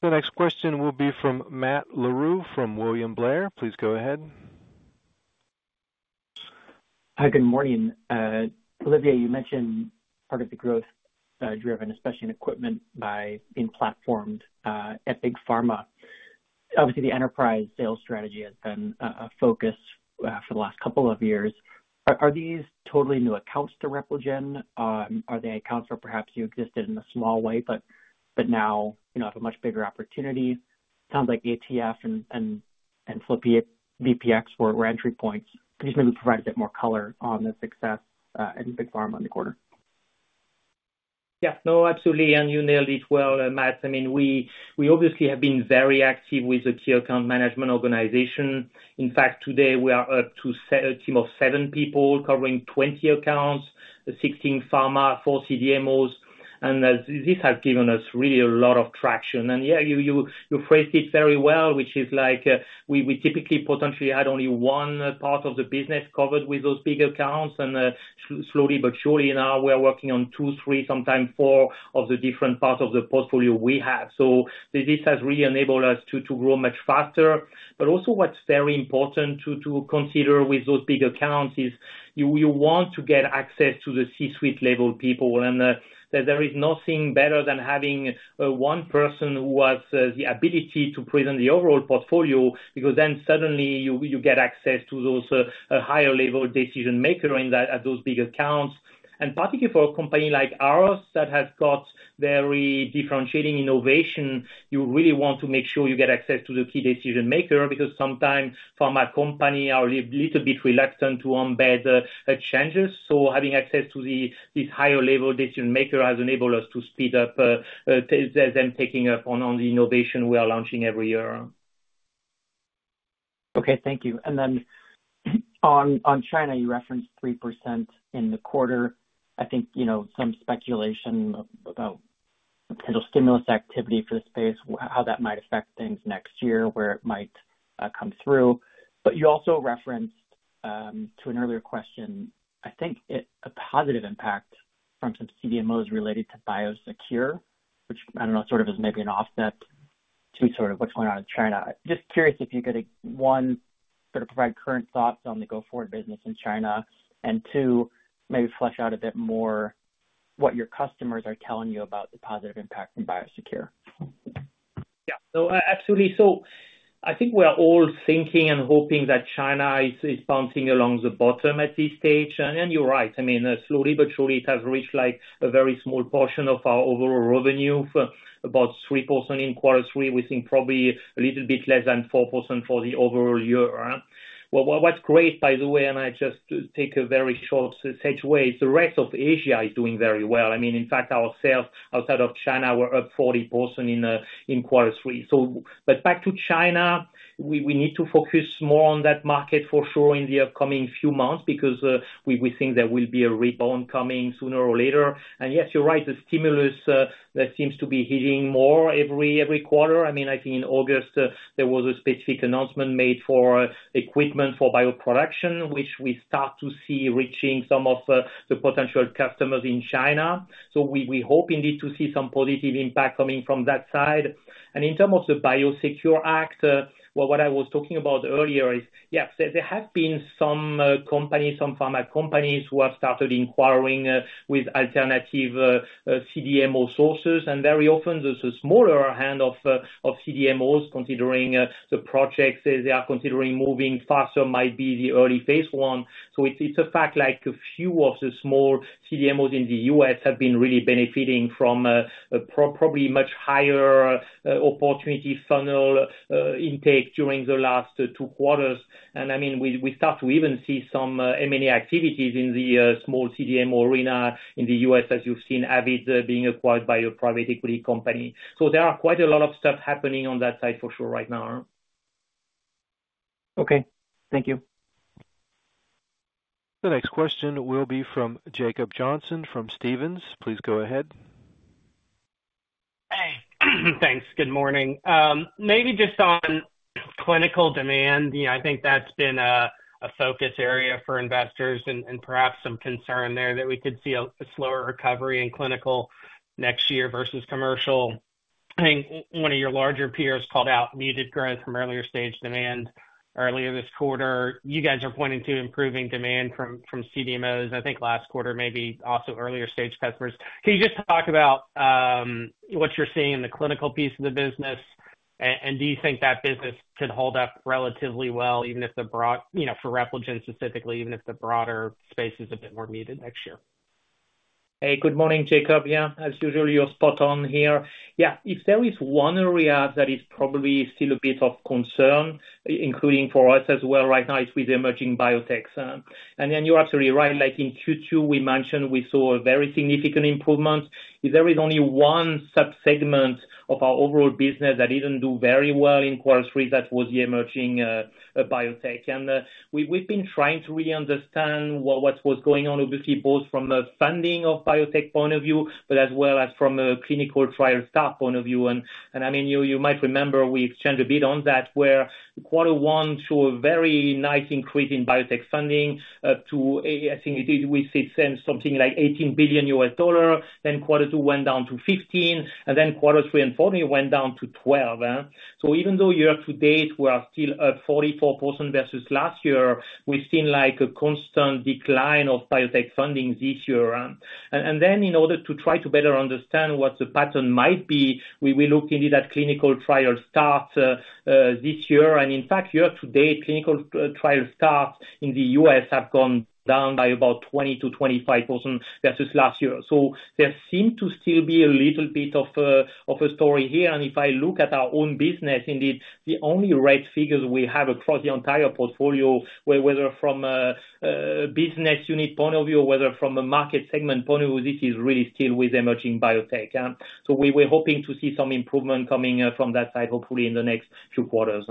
The next question will be from Matt Larew from William Blair. Please go ahead. Hi, good morning. Olivier, you mentioned part of the growth driven, especially in equipment by being platformed at Big Pharma. Obviously, the enterprise sales strategy has been a focus for the last couple of years. Are these totally new accounts to Repligen? Are they accounts that perhaps we existed in a small way, but now have a much bigger opportunity? It sounds like ATF and FlowVPX were entry points. Could you just maybe provide a bit more color on the success in Big Pharma in the quarter? Yeah. No, absolutely. And you nailed it well, Matt. I mean, we obviously have been very active with the key account management organization. In fact, today, we are up to a team of seven people covering 20 accounts, 16 pharma, four CDMOs. And this has given us really a lot of traction. And yeah, you phrased it very well, which is like we typically potentially had only one part of the business covered with those big accounts. And slowly but surely, now we're working on two, three, sometimes four of the different parts of the portfolio we have. So this has really enabled us to grow much faster. But also what's very important to consider with those big accounts is you want to get access to the C-suite level people. And there is nothing better than having one person who has the ability to present the overall portfolio because then suddenly you get access to those higher-level decision-makers at those big accounts. And particularly for a company like ours that has got very differentiating innovation, you really want to make sure you get access to the key decision-maker because sometimes pharma companies are a little bit reluctant to embed changes. So having access to this higher-level decision-maker has enabled us to speed up them taking up on the innovation we are launching every year. Okay. Thank you. And then on China, you referenced 3% in the quarter. I think some speculation about potential stimulus activity for the space, how that might affect things next year, where it might come through. But you also referenced, to an earlier question, I think a positive impact from some CDMOs related to Biosecure, which I don't know, sort of as maybe an offset to sort of what's going on in China. Just curious if you could, one, sort of provide current thoughts on the go-forward business in China, and two, maybe flesh out a bit more what your customers are telling you about the positive impact from Biosecure? Yeah. No, absolutely. So I think we are all thinking and hoping that China is bouncing along the bottom at this stage. And you're right. I mean, slowly but surely, it has reached a very small portion of our overall revenue, about 3% in quarter three. We're seeing probably a little bit less than 4% for the overall year. What's great, by the way, and I just take a very short segue is the rest of Asia is doing very well. I mean, in fact, our sales outside of China were up 40% in quarter three. But back to China, we need to focus more on that market for sure in the upcoming few months because we think there will be a rebound coming sooner or later. And yes, you're right, the stimulus seems to be hitting more every quarter. I mean, I think in August, there was a specific announcement made for equipment for bioproduction, which we start to see reaching some of the potential customers in China. So we hope indeed to see some positive impact coming from that side. In terms of the Biosecure Act, what I was talking about earlier is, yeah, there have been some companies, some pharma companies who have started inquiring with alternative CDMO sources. And very often, the smaller band of CDMOs, considering the projects they are considering moving faster, might be the early phase one. So it's a fact like a few of the small CDMOs in the U.S. have been really benefiting from probably much higher opportunity funnel intake during the last two quarters. And I mean, we start to even see some M&A activities in the small CDMO arena in the U.S., as you've seen Avid being acquired by a private equity company. So there are quite a lot of stuff happening on that side for sure right now. Okay. Thank you. The next question will be from Jacob Johnson from Stephens. Please go ahead. Hey. Thanks. Good morning. Maybe just on clinical demand, I think that's been a focus area for investors and perhaps some concern there that we could see a slower recovery in clinical next year versus commercial. I think one of your larger peers called out muted growth from earlier stage demand earlier this quarter. You guys are pointing to improving demand from CDMOs, I think last quarter, maybe also earlier stage customers. Can you just talk about what you're seeing in the clinical piece of the business? And do you think that business could hold up relatively well, even if the broader for Repligen specifically, even if the broader space is a bit more muted next year? Hey, good morning, Jacob. Yeah, as usual, you're spot on here. Yeah, if there is one area that is probably still a bit of concern, including for us as well right now, it's with emerging biotechs. And then you're absolutely right. Like in Q2, we mentioned we saw a very significant improvement. If there is only one subsegment of our overall business that didn't do very well in quarter three, that was the emerging biotech. And we've been trying to really understand what was going on, obviously, both from a funding of biotech point of view, but as well as from a clinical trial staff point of view. And I mean, you might remember we exchanged a bit on that, where quarter one showed a very nice increase in biotech funding up to, I think we said something like $18 billion. Then quarter two went down to $15 billion, and then quarter three and four went down to $12 billion. So even though year to date, we are still up 44% versus last year, we've seen a constant decline of biotech funding this year. And then in order to try to better understand what the pattern might be, we will look indeed at clinical trial starts this year. And in fact, year to date, clinical trial starts in the U.S. have gone down by about 20%-25% versus last year. So there seems to still be a little bit of a story here. And if I look at our own business, indeed, the only red figures we have across the entire portfolio, whether from a business unit point of view or whether from a market segment point of view, this is really still with emerging biotech. So we're hoping to see some improvement coming from that side, hopefully, in the next few quarters.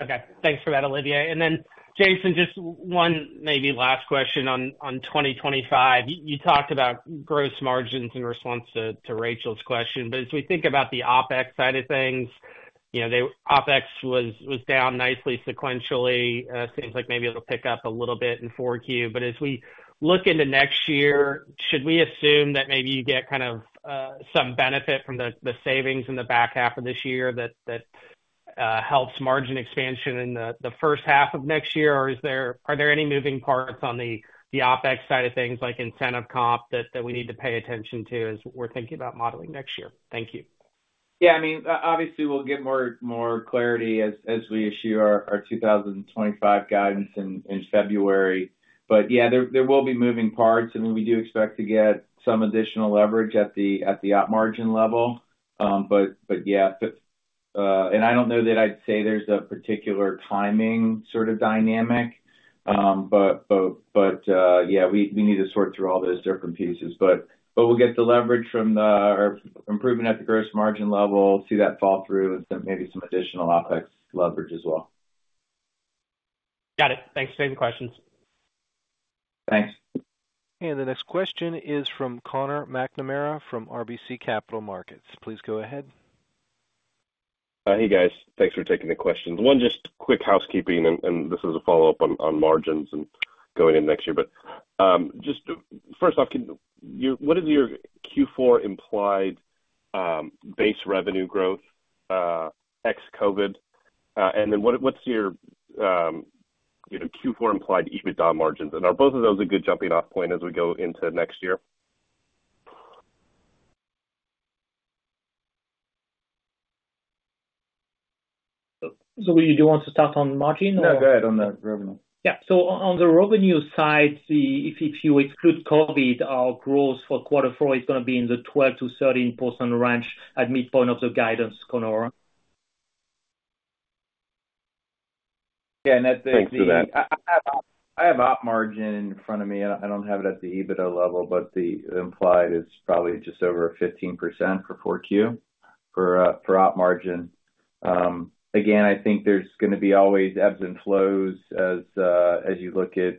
Okay. Thanks for that, Olivier. And then, Jason, just one maybe last question on 2025. You talked about gross margins in response to Rachel's question. But as we think about the OpEx side of things, OpEx was down nicely sequentially. It seems like maybe it'll pick up a little bit in Q4. But as we look into next year, should we assume that maybe you get kind of some benefit from the savings in the back half of this year that helps margin expansion in the first half of next year? Or are there any moving parts on the OpEx side of things, like incentive comp, that we need to pay attention to as we're thinking about modeling next year? Thank you. Yeah. I mean, obviously, we'll get more clarity as we issue our 2025 guidance in February. But yeah, there will be moving parts. I mean, we do expect to get some additional leverage at the gross margin level. But yeah, and I don't know that I'd say there's a particular timing sort of dynamic. But yeah, we need to sort through all those different pieces. But we'll get the leverage from the improvement at the gross margin level, see that fall through, and maybe some additional OPEX leverage as well. Got it. Thanks. Same questions. Thanks. And the next question is from Conor McNamara from RBC Capital Markets. Please go ahead. Hey, guys. Thanks for taking the questions. One just quick housekeeping, and this is a follow-up on margins and going into next year. But just first off, what is your Q4 implied base revenue growth ex-COVID? And then what's your Q4 implied EBITDA margins? And are both of those a good jumping-off point as we go into next year? So you do want to start on margin or? No, go ahead on the revenue. Yeah. So on the revenue side, if you exclude COVID, our growth for quarter four is going to be in the 12%-13% range at midpoint of the guidance, Conor. Yeah. And that's basically that. I have op margin in front of me. I don't have it at the EBITDA level, but the implied is probably just over 15% for Q4 op margin. Again, I think there's going to be always ebbs and flows as you look at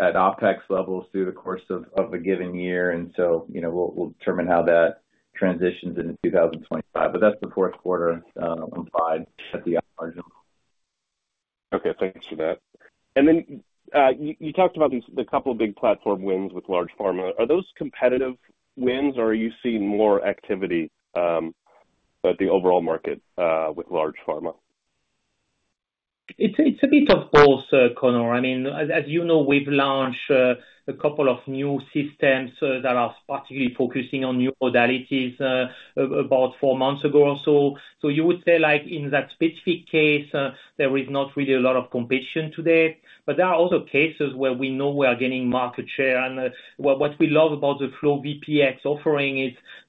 OPEX levels through the course of a given year. And so we'll determine how that transitions into 2025. But that's the fourth quarter implied at the op margin. Okay. Thanks for that. And then you talked about the couple of big platform wins with large pharma. Are those competitive wins, or are you seeing more activity at the overall market with large pharma? It's a bit of both, Conor. I mean, as you know, we've launched a couple of new systems that are particularly focusing on new modalities about four months ago or so. So you would say in that specific case, there is not really a lot of competition today. But there are also cases where we know we are gaining market share. And what we love about the FlowVPX offering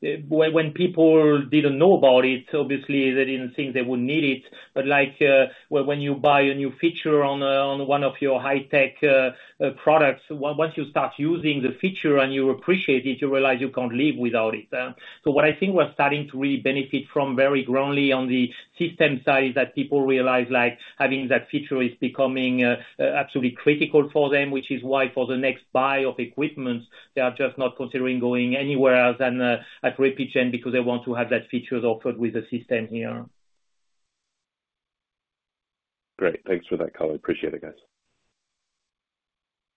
is when people didn't know about it, obviously, they didn't think they would need it. But when you buy a new feature on one of your high-tech products, once you start using the feature and you appreciate it, you realize you can't live without it. So what I think we're starting to really benefit from very growingly on the system side is that people realize having that feature is becoming absolutely critical for them, which is why for the next buy of equipment, they are just not considering going anywhere else than at Repligen because they want to have that feature offered with the system here. Great. Thanks for that, Conor. Appreciate it, guys.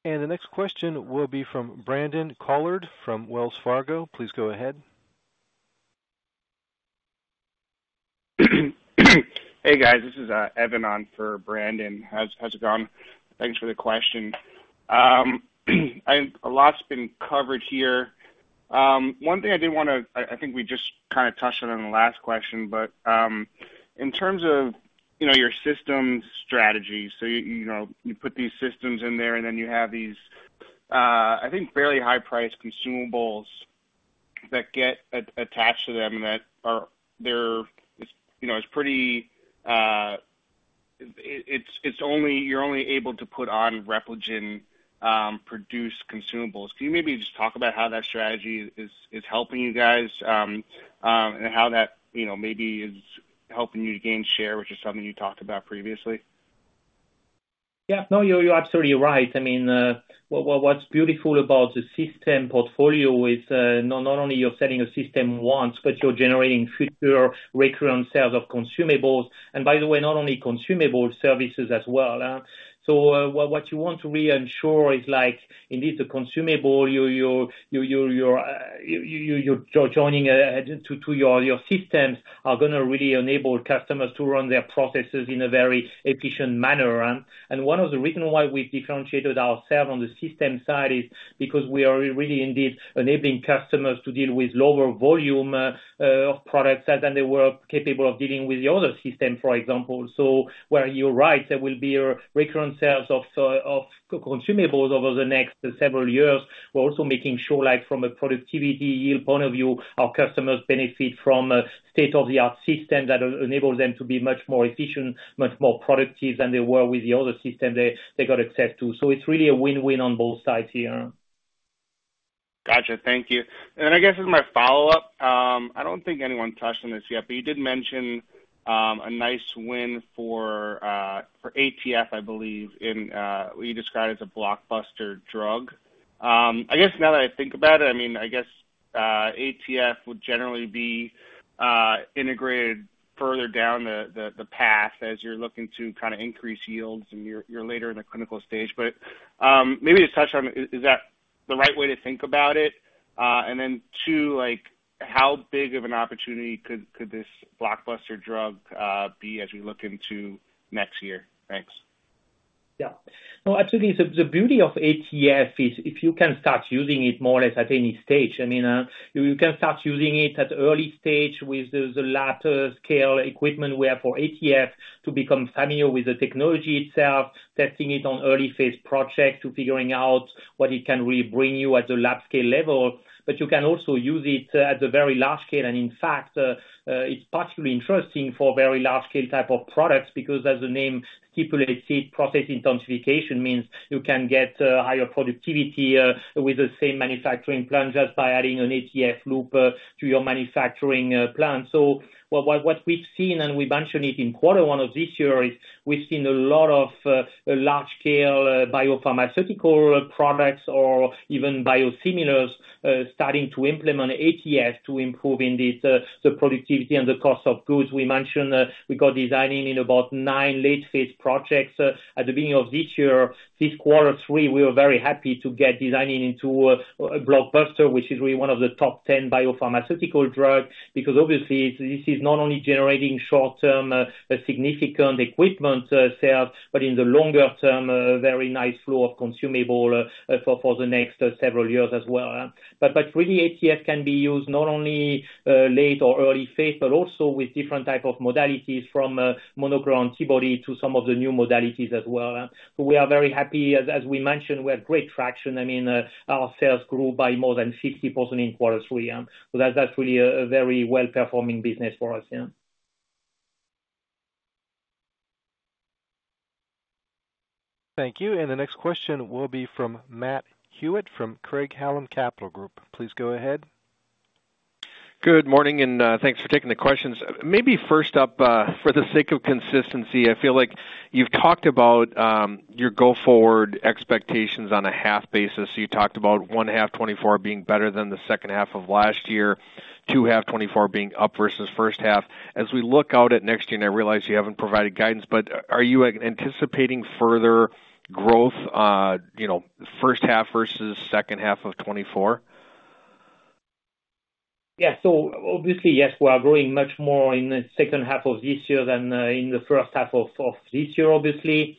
And the next question will be from Brandon Couillard from Wells Fargo. Please go ahead. Hey, guys. This is Evan on for Brandon. How's it going? Thanks for the question. A lot's been covered here. One thing I did want to, I think we just kind of touched on in the last question, but in terms of your systems strategy, so you put these systems in there, and then you have these, I think, fairly high-priced consumables that get attached to them that are pretty, you're only able to put on Repligen-produced consumables. Can you maybe just talk about how that strategy is helping you guys and how that maybe is helping you to gain share, which is something you talked about previously? Yeah. No, you're absolutely right. I mean, what's beautiful about the system portfolio is not only you're selling a system once, but you're generating future recurrent sales of consumables. And by the way, not only consumable services as well. So, what you want to reassure is indeed the consumable you're joining to your systems are going to really enable customers to run their processes in a very efficient manner. And one of the reasons why we've differentiated ourselves on the system side is because we are really indeed enabling customers to deal with lower volume of products than they were capable of dealing with the other system, for example. So, where you're right, there will be recurrent sales of consumables over the next several years. We're also making sure from a productivity yield point of view, our customers benefit from state-of-the-art systems that enable them to be much more efficient, much more productive than they were with the other system they got access to. So, it's really a win-win on both sides here. Gotcha. Thank you. I guess as my follow-up, I don't think anyone touched on this yet, but you did mention a nice win for ATF, I believe, in what you described as a blockbuster drug. I guess now that I think about it, I mean, I guess ATF would generally be integrated further down the path as you're looking to kind of increase yields and you're later in the clinical stage. But maybe to touch on, is that the right way to think about it? And then two, how big of an opportunity could this blockbuster drug be as we look into next year? Thanks. Yeah. No, absolutely. The beauty of ATF is if you can start using it more or less at any stage. I mean, you can start using it at early stage with the lab scale equipment where for ATF to become familiar with the technology itself, testing it on early phase projects to figuring out what it can really bring you at the lab scale level, but you can also use it at the very large scale, and in fact, it's particularly interesting for very large scale type of products because as the name stipulates, process intensification means you can get higher productivity with the same manufacturing plant just by adding an ATF loop to your manufacturing plant, so what we've seen, and we mentioned it in quarter one of this year, is we've seen a lot of large scale biopharmaceutical products or even biosimilars starting to implement ATF to improve indeed the productivity and the cost of goods. We mentioned we got design in about nine late phase projects at the beginning of this year. This quarter three, we were very happy to get design in into a blockbuster, which is really one of the top 10 biopharmaceutical drugs because obviously, this is not only generating short-term significant equipment sales, but in the longer term, a very nice flow of consumable for the next several years as well. But really, ATF can be used not only late or early phase, but also with different type of modalities from monoclonal antibody to some of the new modalities as well. So we are very happy. As we mentioned, we have great traction. I mean, our sales grew by more than 50% in quarter three. So that's really a very well-performing business for us. Thank you. And the next question will be from Matt Hewitt from Craig-Hallum Capital Group. Please go ahead. Good morning, and thanks for taking the questions. Maybe first up, for the sake of consistency, I feel like you've talked about your go-forward expectations on a half basis. You talked about first half 2024 being better than the second half of last year, second half 2024 being up versus first half. As we look out at next year, and I realize you haven't provided guidance, but are you anticipating further growth first half versus second half of 2024? Yeah. So obviously, yes, we are growing much more in the second half of this year than in the first half of this year, obviously.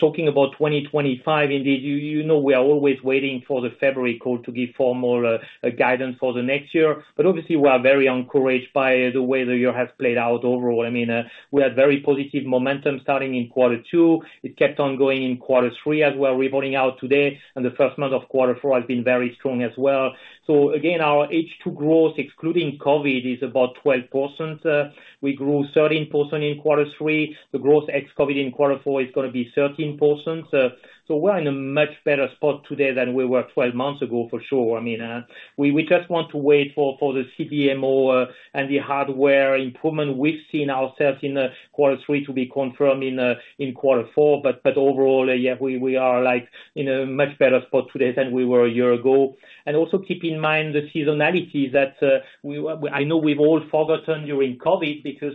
Talking about 2025, indeed, we are always waiting for the February call to give formal guidance for the next year. But obviously, we are very encouraged by the way the year has played out overall. I mean, we had very positive momentum starting in quarter two. It kept on going in quarter three as we are reporting out today, and the first month of quarter four has been very strong as well, so again, our H2 growth, excluding COVID, is about 12%. We grew 13% in quarter three. The growth ex-COVID in quarter four is going to be 13%. So we're in a much better spot today than we were 12 months ago, for sure. I mean, we just want to wait for the CDMO and the hardware improvement we've seen ourselves in quarter three to be confirmed in quarter four, but overall, yeah, we are in a much better spot today than we were a year ago. And also keep in mind the seasonality that I know we've all forgotten during COVID because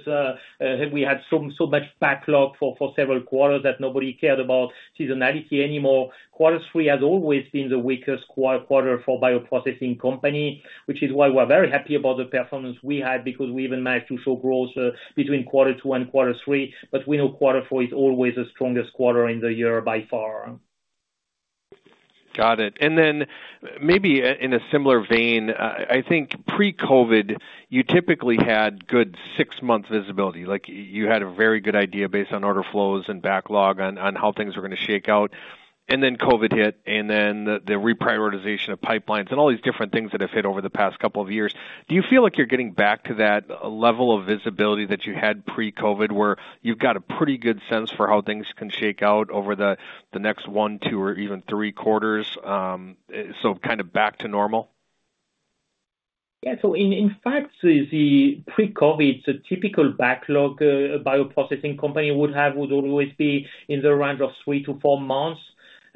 we had so much backlog for several quarters that nobody cared about seasonality anymore. Quarter three has always been the weakest quarter for bioprocessing company, which is why we're very happy about the performance we had because we even managed to show growth between quarter two and quarter three. But we know quarter four is always the strongest quarter in the year by far. Got it. And then maybe in a similar vein, I think pre-COVID, you typically had good six-month visibility. You had a very good idea based on order flows and backlog on how things were going to shake out. And then COVID hit, and then the reprioritization of pipelines and all these different things that have hit over the past couple of years. Do you feel like you're getting back to that level of visibility that you had pre-COVID where you've got a pretty good sense for how things can shake out over the next one, two, or even three quarters, so kind of back to normal? Yeah. So in fact, pre-COVID, the typical backlog a bioprocessing company would have would always be in the range of three to four months.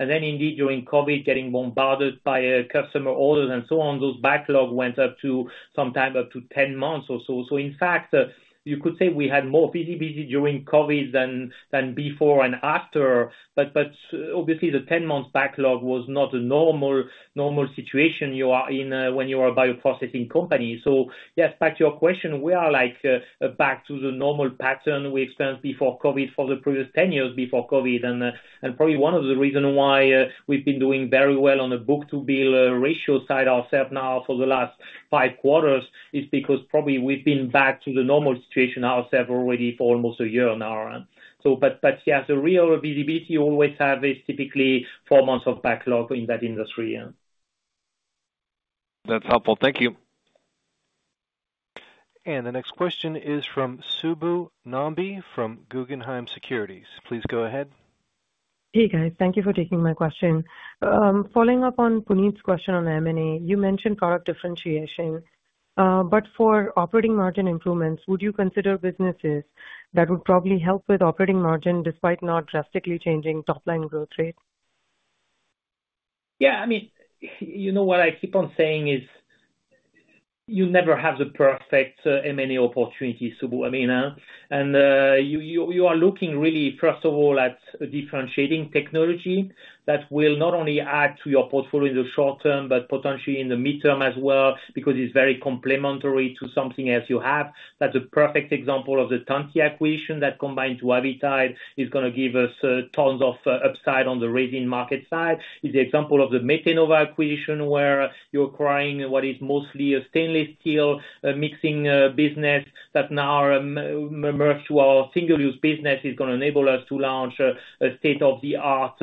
And then indeed, during COVID, getting bombarded by customer orders and so on, those backlogs went up to sometimes 10 months or so. So in fact, you could say we had busier during COVID than before and after. But obviously, the 10-month backlog was not a normal situation when you are a bioprocessing company. So yes, back to your question, we are back to the normal pattern we experienced before COVID for the previous 10 years before COVID. And probably one of the reasons why we've been doing very well on the book-to-bill ratio side ourselves now for the last five quarters is because probably we've been back to the normal situation ourselves already for almost a year now. But yeah, the real visibility you always have is typically four months of backlog in that industry. That's helpful. Thank you. And the next question is from Subbu Nambi from Guggenheim Securities. Please go ahead. Hey, guys. Thank you for taking my question. Following up on Puneet's question on M&A, you mentioned product differentiation. But for operating margin improvements, would you consider businesses that would probably help with operating margin despite not drastically changing top-line growth rate? Yeah. I mean, you know what I keep on saying is you'll never have the perfect M&A opportunity, Subbu. I mean, and you are looking really, first of all, at differentiating technology that will not only add to your portfolio in the short term, but potentially in the midterm as well because it's very complementary to something else you have. That's a perfect example of the Tantti acquisition that combined with Avitide is going to give us tons of upside on the resin market side. It's the example of the Metenova acquisition where you're acquiring what is mostly a stainless steel mixing business that now merged with our single-use business is going to enable us to launch a state-of-the-art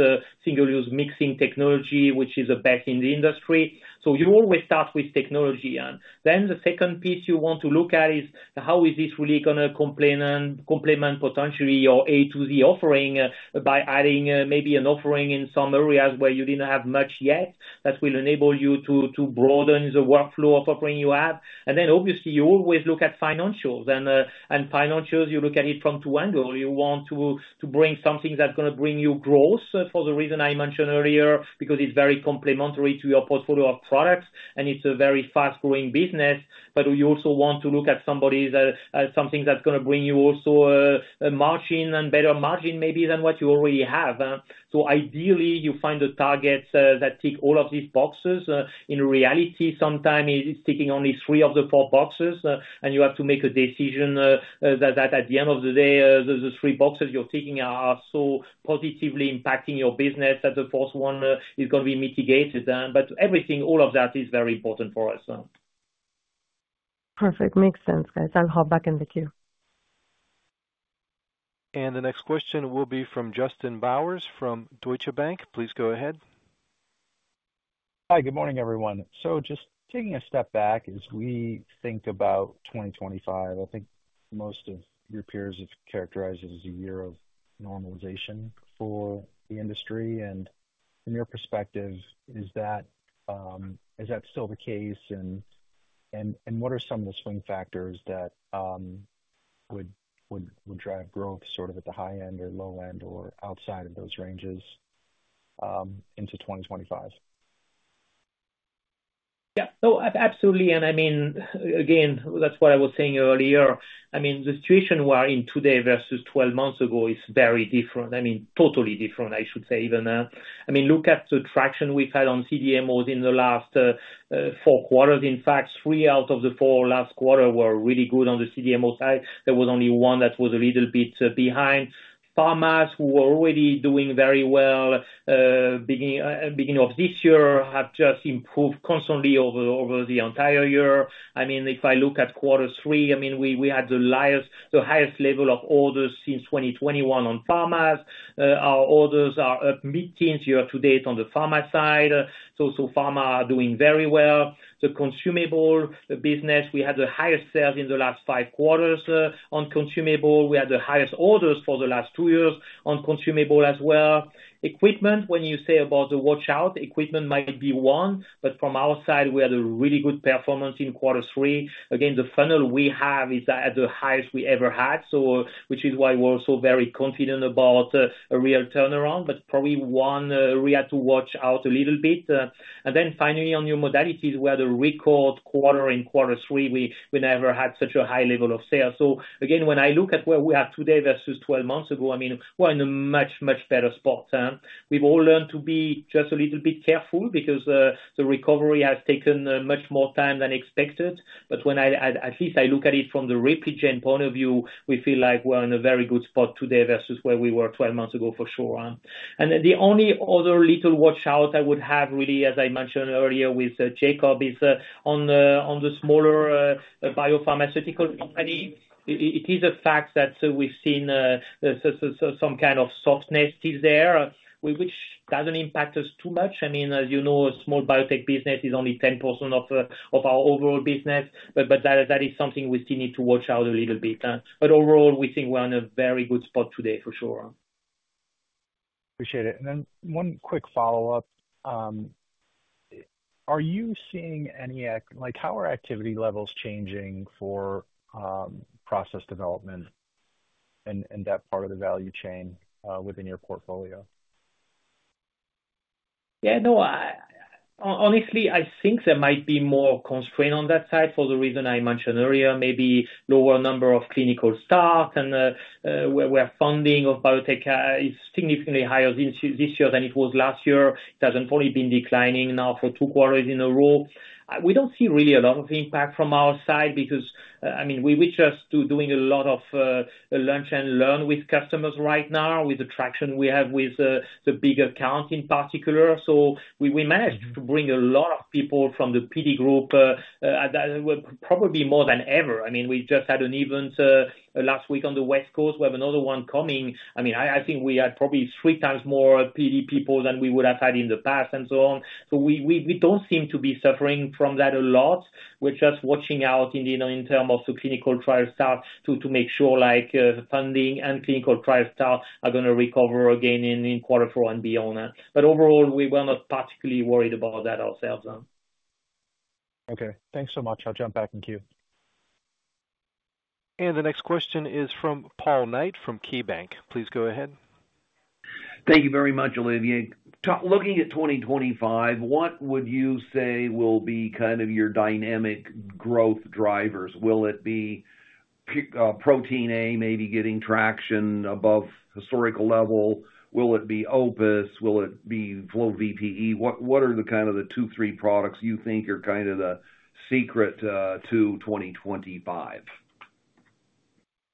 single-use mixing technology, which is a bet in the industry. So you always start with technology. Then the second piece you want to look at is how is this really going to complement potentially your A to Z offering by adding maybe an offering in some areas where you didn't have much yet that will enable you to broaden the workflow of offering you have. And then obviously, you always look at financials. And financials, you look at it from two angles. You want to bring something that's going to bring you growth for the reason I mentioned earlier because it's very complementary to your portfolio of products, and it's a very fast-growing business. But you also want to look at something that's going to bring you also a margin and better margin maybe than what you already have. So ideally, you find the targets that tick all of these boxes. In reality, sometimes it's ticking only three of the four boxes, and you have to make a decision that at the end of the day, the three boxes you're ticking are so positively impacting your business that the fourth one is going to be mitigated. But everything, all of that is very important for us. Perfect. Makes sense, guys. I'll hop back in the queue. And the next question will be from Justin Bowers from Deutsche Bank. Please go ahead. Hi, good morning, everyone. So just taking a step back as we think about 2025, I think most of your peers have characterized it as a year of normalization for the industry. And from your perspective, is that still the case? And what are some of the swing factors that would drive growth sort of at the high end or low end or outside of those ranges into 2025? Yeah. No, absolutely. And I mean, again, that's what I was saying earlier. I mean, the situation we are in today versus 12 months ago is very different. I mean, totally different, I should say even. I mean, look at the traction we've had on CDMOs in the last four quarters. In fact, three out of the four last quarter were really good on the CDMO side. There was only one that was a little bit behind. Pharmas who were already doing very well at the beginning of this year have just improved constantly over the entire year. I mean, if I look at quarter three, I mean, we had the highest level of orders since 2021 on pharmas. Our orders are up mid-teens year to date on the pharma side. So pharma are doing very well. The consumable business, we had the highest sales in the last five quarters on consumable. We had the highest orders for the last two years on consumable as well. Equipment, when you say about the watch-out, equipment might be one, but from our side, we had a really good performance in quarter three. Again, the funnel we have is at the highest we ever had, which is why we're also very confident about a real turnaround, but probably one we had to watch out a little bit. And then finally, on new modalities, we had a record quarter in quarter three. We never had such a high level of sales. So again, when I look at where we are today versus 12 months ago, I mean, we're in a much, much better spot. We've all learned to be just a little bit careful because the recovery has taken much more time than expected. But when I at least look at it from the reputation point of view, we feel like we're in a very good spot today versus where we were 12 months ago, for sure. And the only other little watch out I would have really, as I mentioned earlier with Jacob, is on the smaller biopharmaceutical company. It is a fact that we've seen some kind of softness there, which doesn't impact us too much. I mean, as you know, a small biotech business is only 10% of our overall business. But that is something we still need to watch out a little bit. But overall, we think we're in a very good spot today, for sure. Appreciate it. And then one quick follow-up. Are you seeing how activity levels are changing for process development and that part of the value chain within your portfolio? Yeah. No, honestly, I think there might be more constraint on that side for the reason I mentioned earlier, maybe lower number of clinical starts. And while funding of biotech is significantly higher this year than it was last year, it hasn't probably been declining now for two quarters in a row. We don't see really a lot of impact from our side because, I mean, we're just doing a lot of lunch and learn with customers right now with the traction we have with the big account in particular. So we managed to bring a lot of people from the PD group. Probably more than ever. I mean, we just had an event last week on the West Coast. We have another one coming. I mean, I think we had probably three times more PD people than we would have had in the past and so on. So we don't seem to be suffering from that a lot. We're just watching out in terms of the clinical trial staff to make sure funding and clinical trial staff are going to recover again in quarter four and beyond. But overall, we were not particularly worried about that ourselves. Okay. Thanks so much. I'll jump back in queue, and the next question is from Paul Knight from KeyBanc. Please go ahead. Thank you very much, Olivier. Looking at 2025, what would you say will be kind of your dynamic growth drivers? Will it be Protein A maybe getting traction above historical level? Will it be Opus? Will it be FlowVPX? What are the kind of the two, three products you think are kind of the secret to 2025?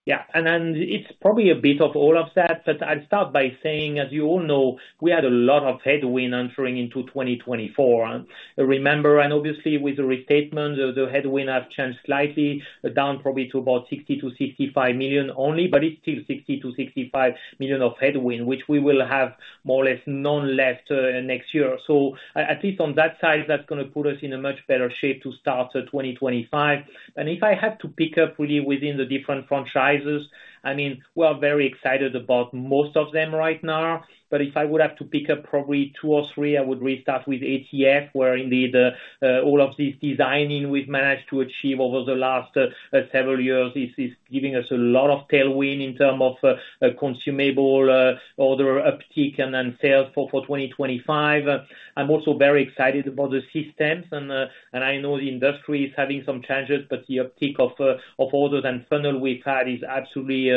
Yeah. And it's probably a bit of all of that, but I'll start by saying, as you all know, we had a lot of headwind entering into 2024. Remember, and obviously with the restatement, the headwind has changed slightly down probably to about $60 million-$65 million only, but it's still $60 million-$65 million of headwind, which we will have more or less none left next year. So at least on that side, that's going to put us in a much better shape to start 2025. And if I had to pick up really within the different franchises, I mean, we're very excited about most of them right now. But if I would have to pick up probably two or three, I would restart with ATF, where indeed all of this designing we've managed to achieve over the last several years is giving us a lot of tailwind in terms of consumable order uptick and sales for 2025. I'm also very excited about the systems. And I know the industry is having some changes, but the uptick of orders and funnel we've had is absolutely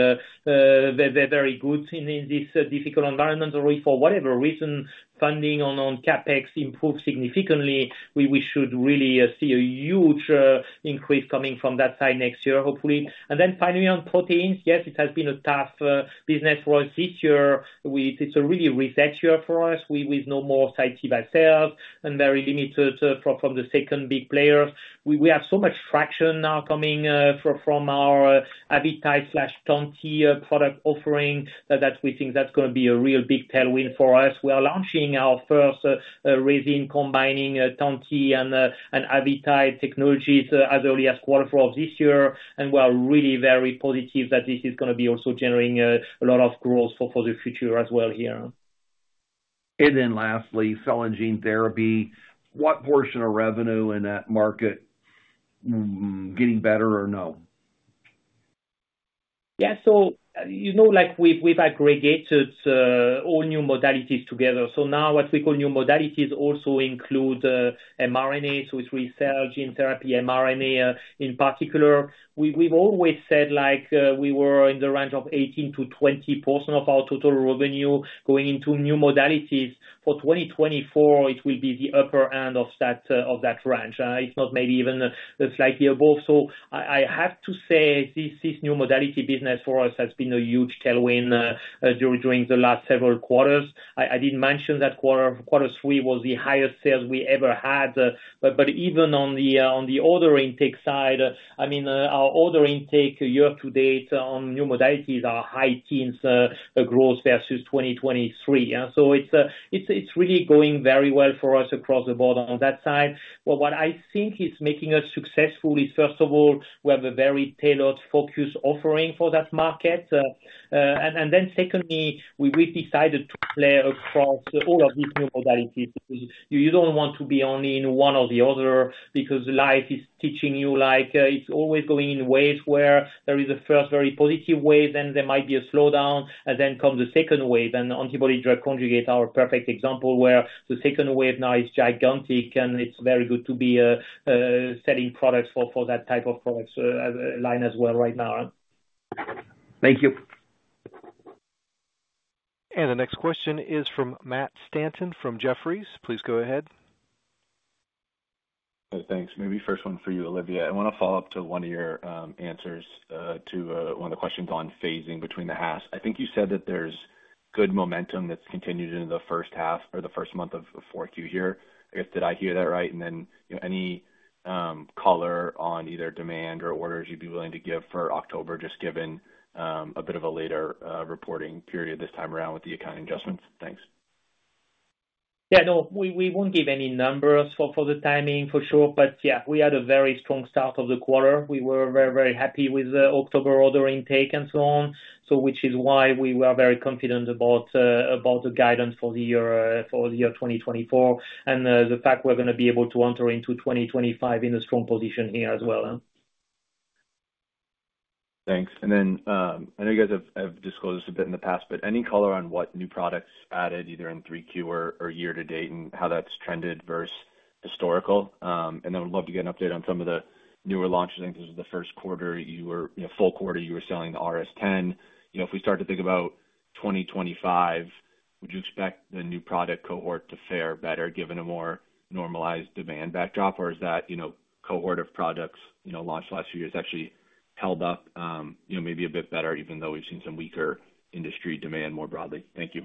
very good in this difficult environment, or if for whatever reason funding on CapEx improves significantly, we should really see a huge increase coming from that side next year, hopefully. And then finally, on proteins, yes, it has been a tough business for us this year. It's a really reset year for us. We've no more Cytiva sales and very limited from the second big players. We have so much traction now coming from our Avitide/Tantti product offering that we think that's going to be a real big tailwind for us. We are launching our first resin combining Tantti and Avitide technologies as early as quarter four of this year. We are really very positive that this is going to be also generating a lot of growth for the future as well here. Then lastly, cell and gene therapy, what portion of revenue in that market getting better or no? Yeah. So we've aggregated all new modalities together. So now what we call new modalities also include mRNA, so it's research in therapy mRNA in particular. We've always said we were in the range of 18%-20% of our total revenue going into new modalities. For 2024, it will be the upper end of that range. If not, maybe even slightly above. So I have to say this new modality business for us has been a huge tailwind during the last several quarters. I didn't mention that quarter three was the highest sales we ever had. But even on the order intake side, I mean, our order intake year to date on new modalities are high teens growth versus 2023. So it's really going very well for us across the board on that side. But what I think is making us successful is, first of all, we have a very tailored focus offering for that market. And then secondly, we decided to play across all of these new modalities because you don't want to be only in one or the other because life is teaching you like it's always going in waves where there is a first very positive wave, then there might be a slowdown, and then comes the second wave. Antibody-drug conjugate are a perfect example where the second wave now is gigantic, and it's very good to be selling products for that type of product line as well right now. Thank you. The next question is from Matt Stanton from Jefferies. Please go ahead. Thanks. Maybe first one for you, Olivier. I want to follow up to one of your answers to one of the questions on phasing between the halves. I think you said that there's good momentum that's continued into the first half or the first month of 4Q here. I guess, did I hear that right? And then any color on either demand or orders you'd be willing to give for October, just given a bit of a later reporting period this time around with the accounting adjustments? Thanks. Yeah. No, we won't give any numbers for the timing for sure. But yeah, we had a very strong start of the quarter. We were very, very happy with the October order intake and so on, which is why we were very confident about the guidance for the year 2024 and the fact we're going to be able to enter into 2025 in a strong position here as well. Thanks. And then I know you guys have disclosed this a bit in the past, but any color on what new products added either in 3Q or year to date and how that's trended versus historical? And then we'd love to get an update on some of the newer launches. I think this was the first quarter you were full quarter, you were selling the RS10. If we start to think about 2025, would you expect the new product cohort to fare better given a more normalized demand backdrop? Or is that cohort of products launched last year has actually held up maybe a bit better, even though we've seen some weaker industry demand more broadly? Thank you.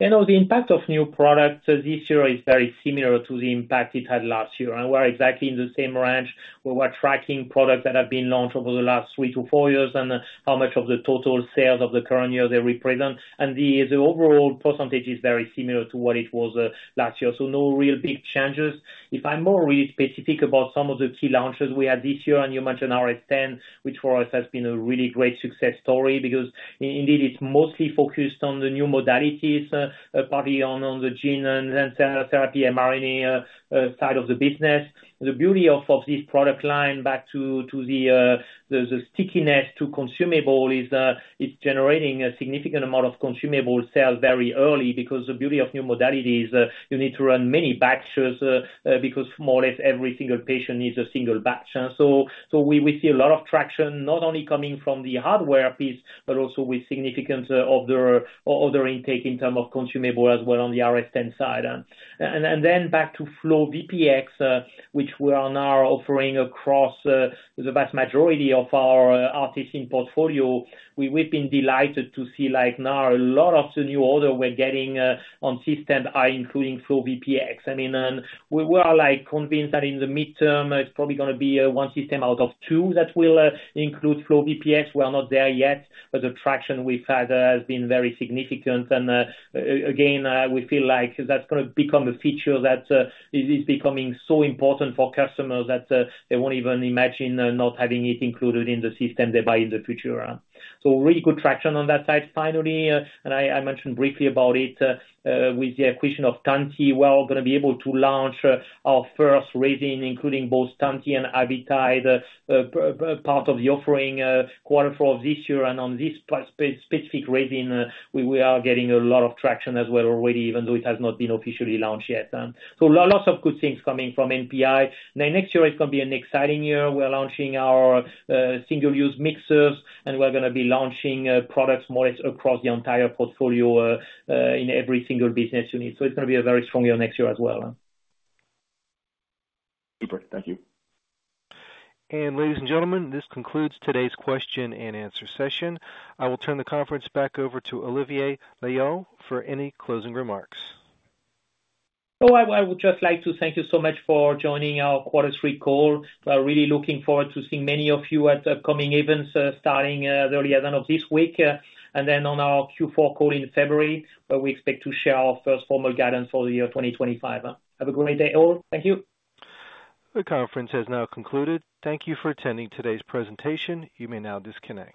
Yeah. No, the impact of new products this year is very similar to the impact it had last year. And we're exactly in the same range. We were tracking products that have been launched over the last three to four years and how much of the total sales of the current year they represent. And the overall percentage is very similar to what it was last year. So no real big changes. If I'm more really specific about some of the key launches we had this year, and you mentioned RS10, which for us has been a really great success story because indeed it's mostly focused on the new modalities, probably on the gene therapy and mRNA side of the business. The beauty of this product line back to the stickiness to consumable is it's generating a significant amount of consumable sales very early because the beauty of new modalities, you need to run many batches because more or less every single patient needs a single batch. So we see a lot of traction, not only coming from the hardware piece, but also with significant order intake in terms of consumable as well on the RS10 side. And then back to FlowVPX, which we are now offering across the vast majority of our ARTeSYN portfolio. We've been delighted to see now a lot of the new order we're getting on systems are including FlowVPX. I mean, we are convinced that in the midterm, it's probably going to be one system out of two that will include FlowVPX. We're not there yet, but the traction we've had has been very significant. And again, we feel like that's going to become a feature that is becoming so important for customers that they won't even imagine not having it included in the system they buy in the future. So really good traction on that side. Finally, and I mentioned briefly about it with the acquisition of Tantti, we're going to be able to launch our first resin, including both Tantti and Avitide part of the offering quarter four of this year. And on this specific resin, we are getting a lot of traction as well already, even though it has not been officially launched yet. So lots of good things coming from NPI. Now, next year is going to be an exciting year. We're launching our single-use mixers, and we're going to be launching products more across the entire portfolio in every single business unit. So it's going to be a very strong year next year as well. Super. Thank you. And ladies and gentlemen, this concludes today's question and answer session. I will turn the conference back over to Olivier Loeillot for any closing remarks. Oh, I would just like to thank you so much for joining our quarter three call. We are really looking forward to seeing many of you at upcoming events starting the early end of this week. And then on our Q4 call in February, where we expect to share our first formal guidance for the year 2025. Have a great day, all. Thank you. The conference has now concluded. Thank you for attending today's presentation. You may now disconnect.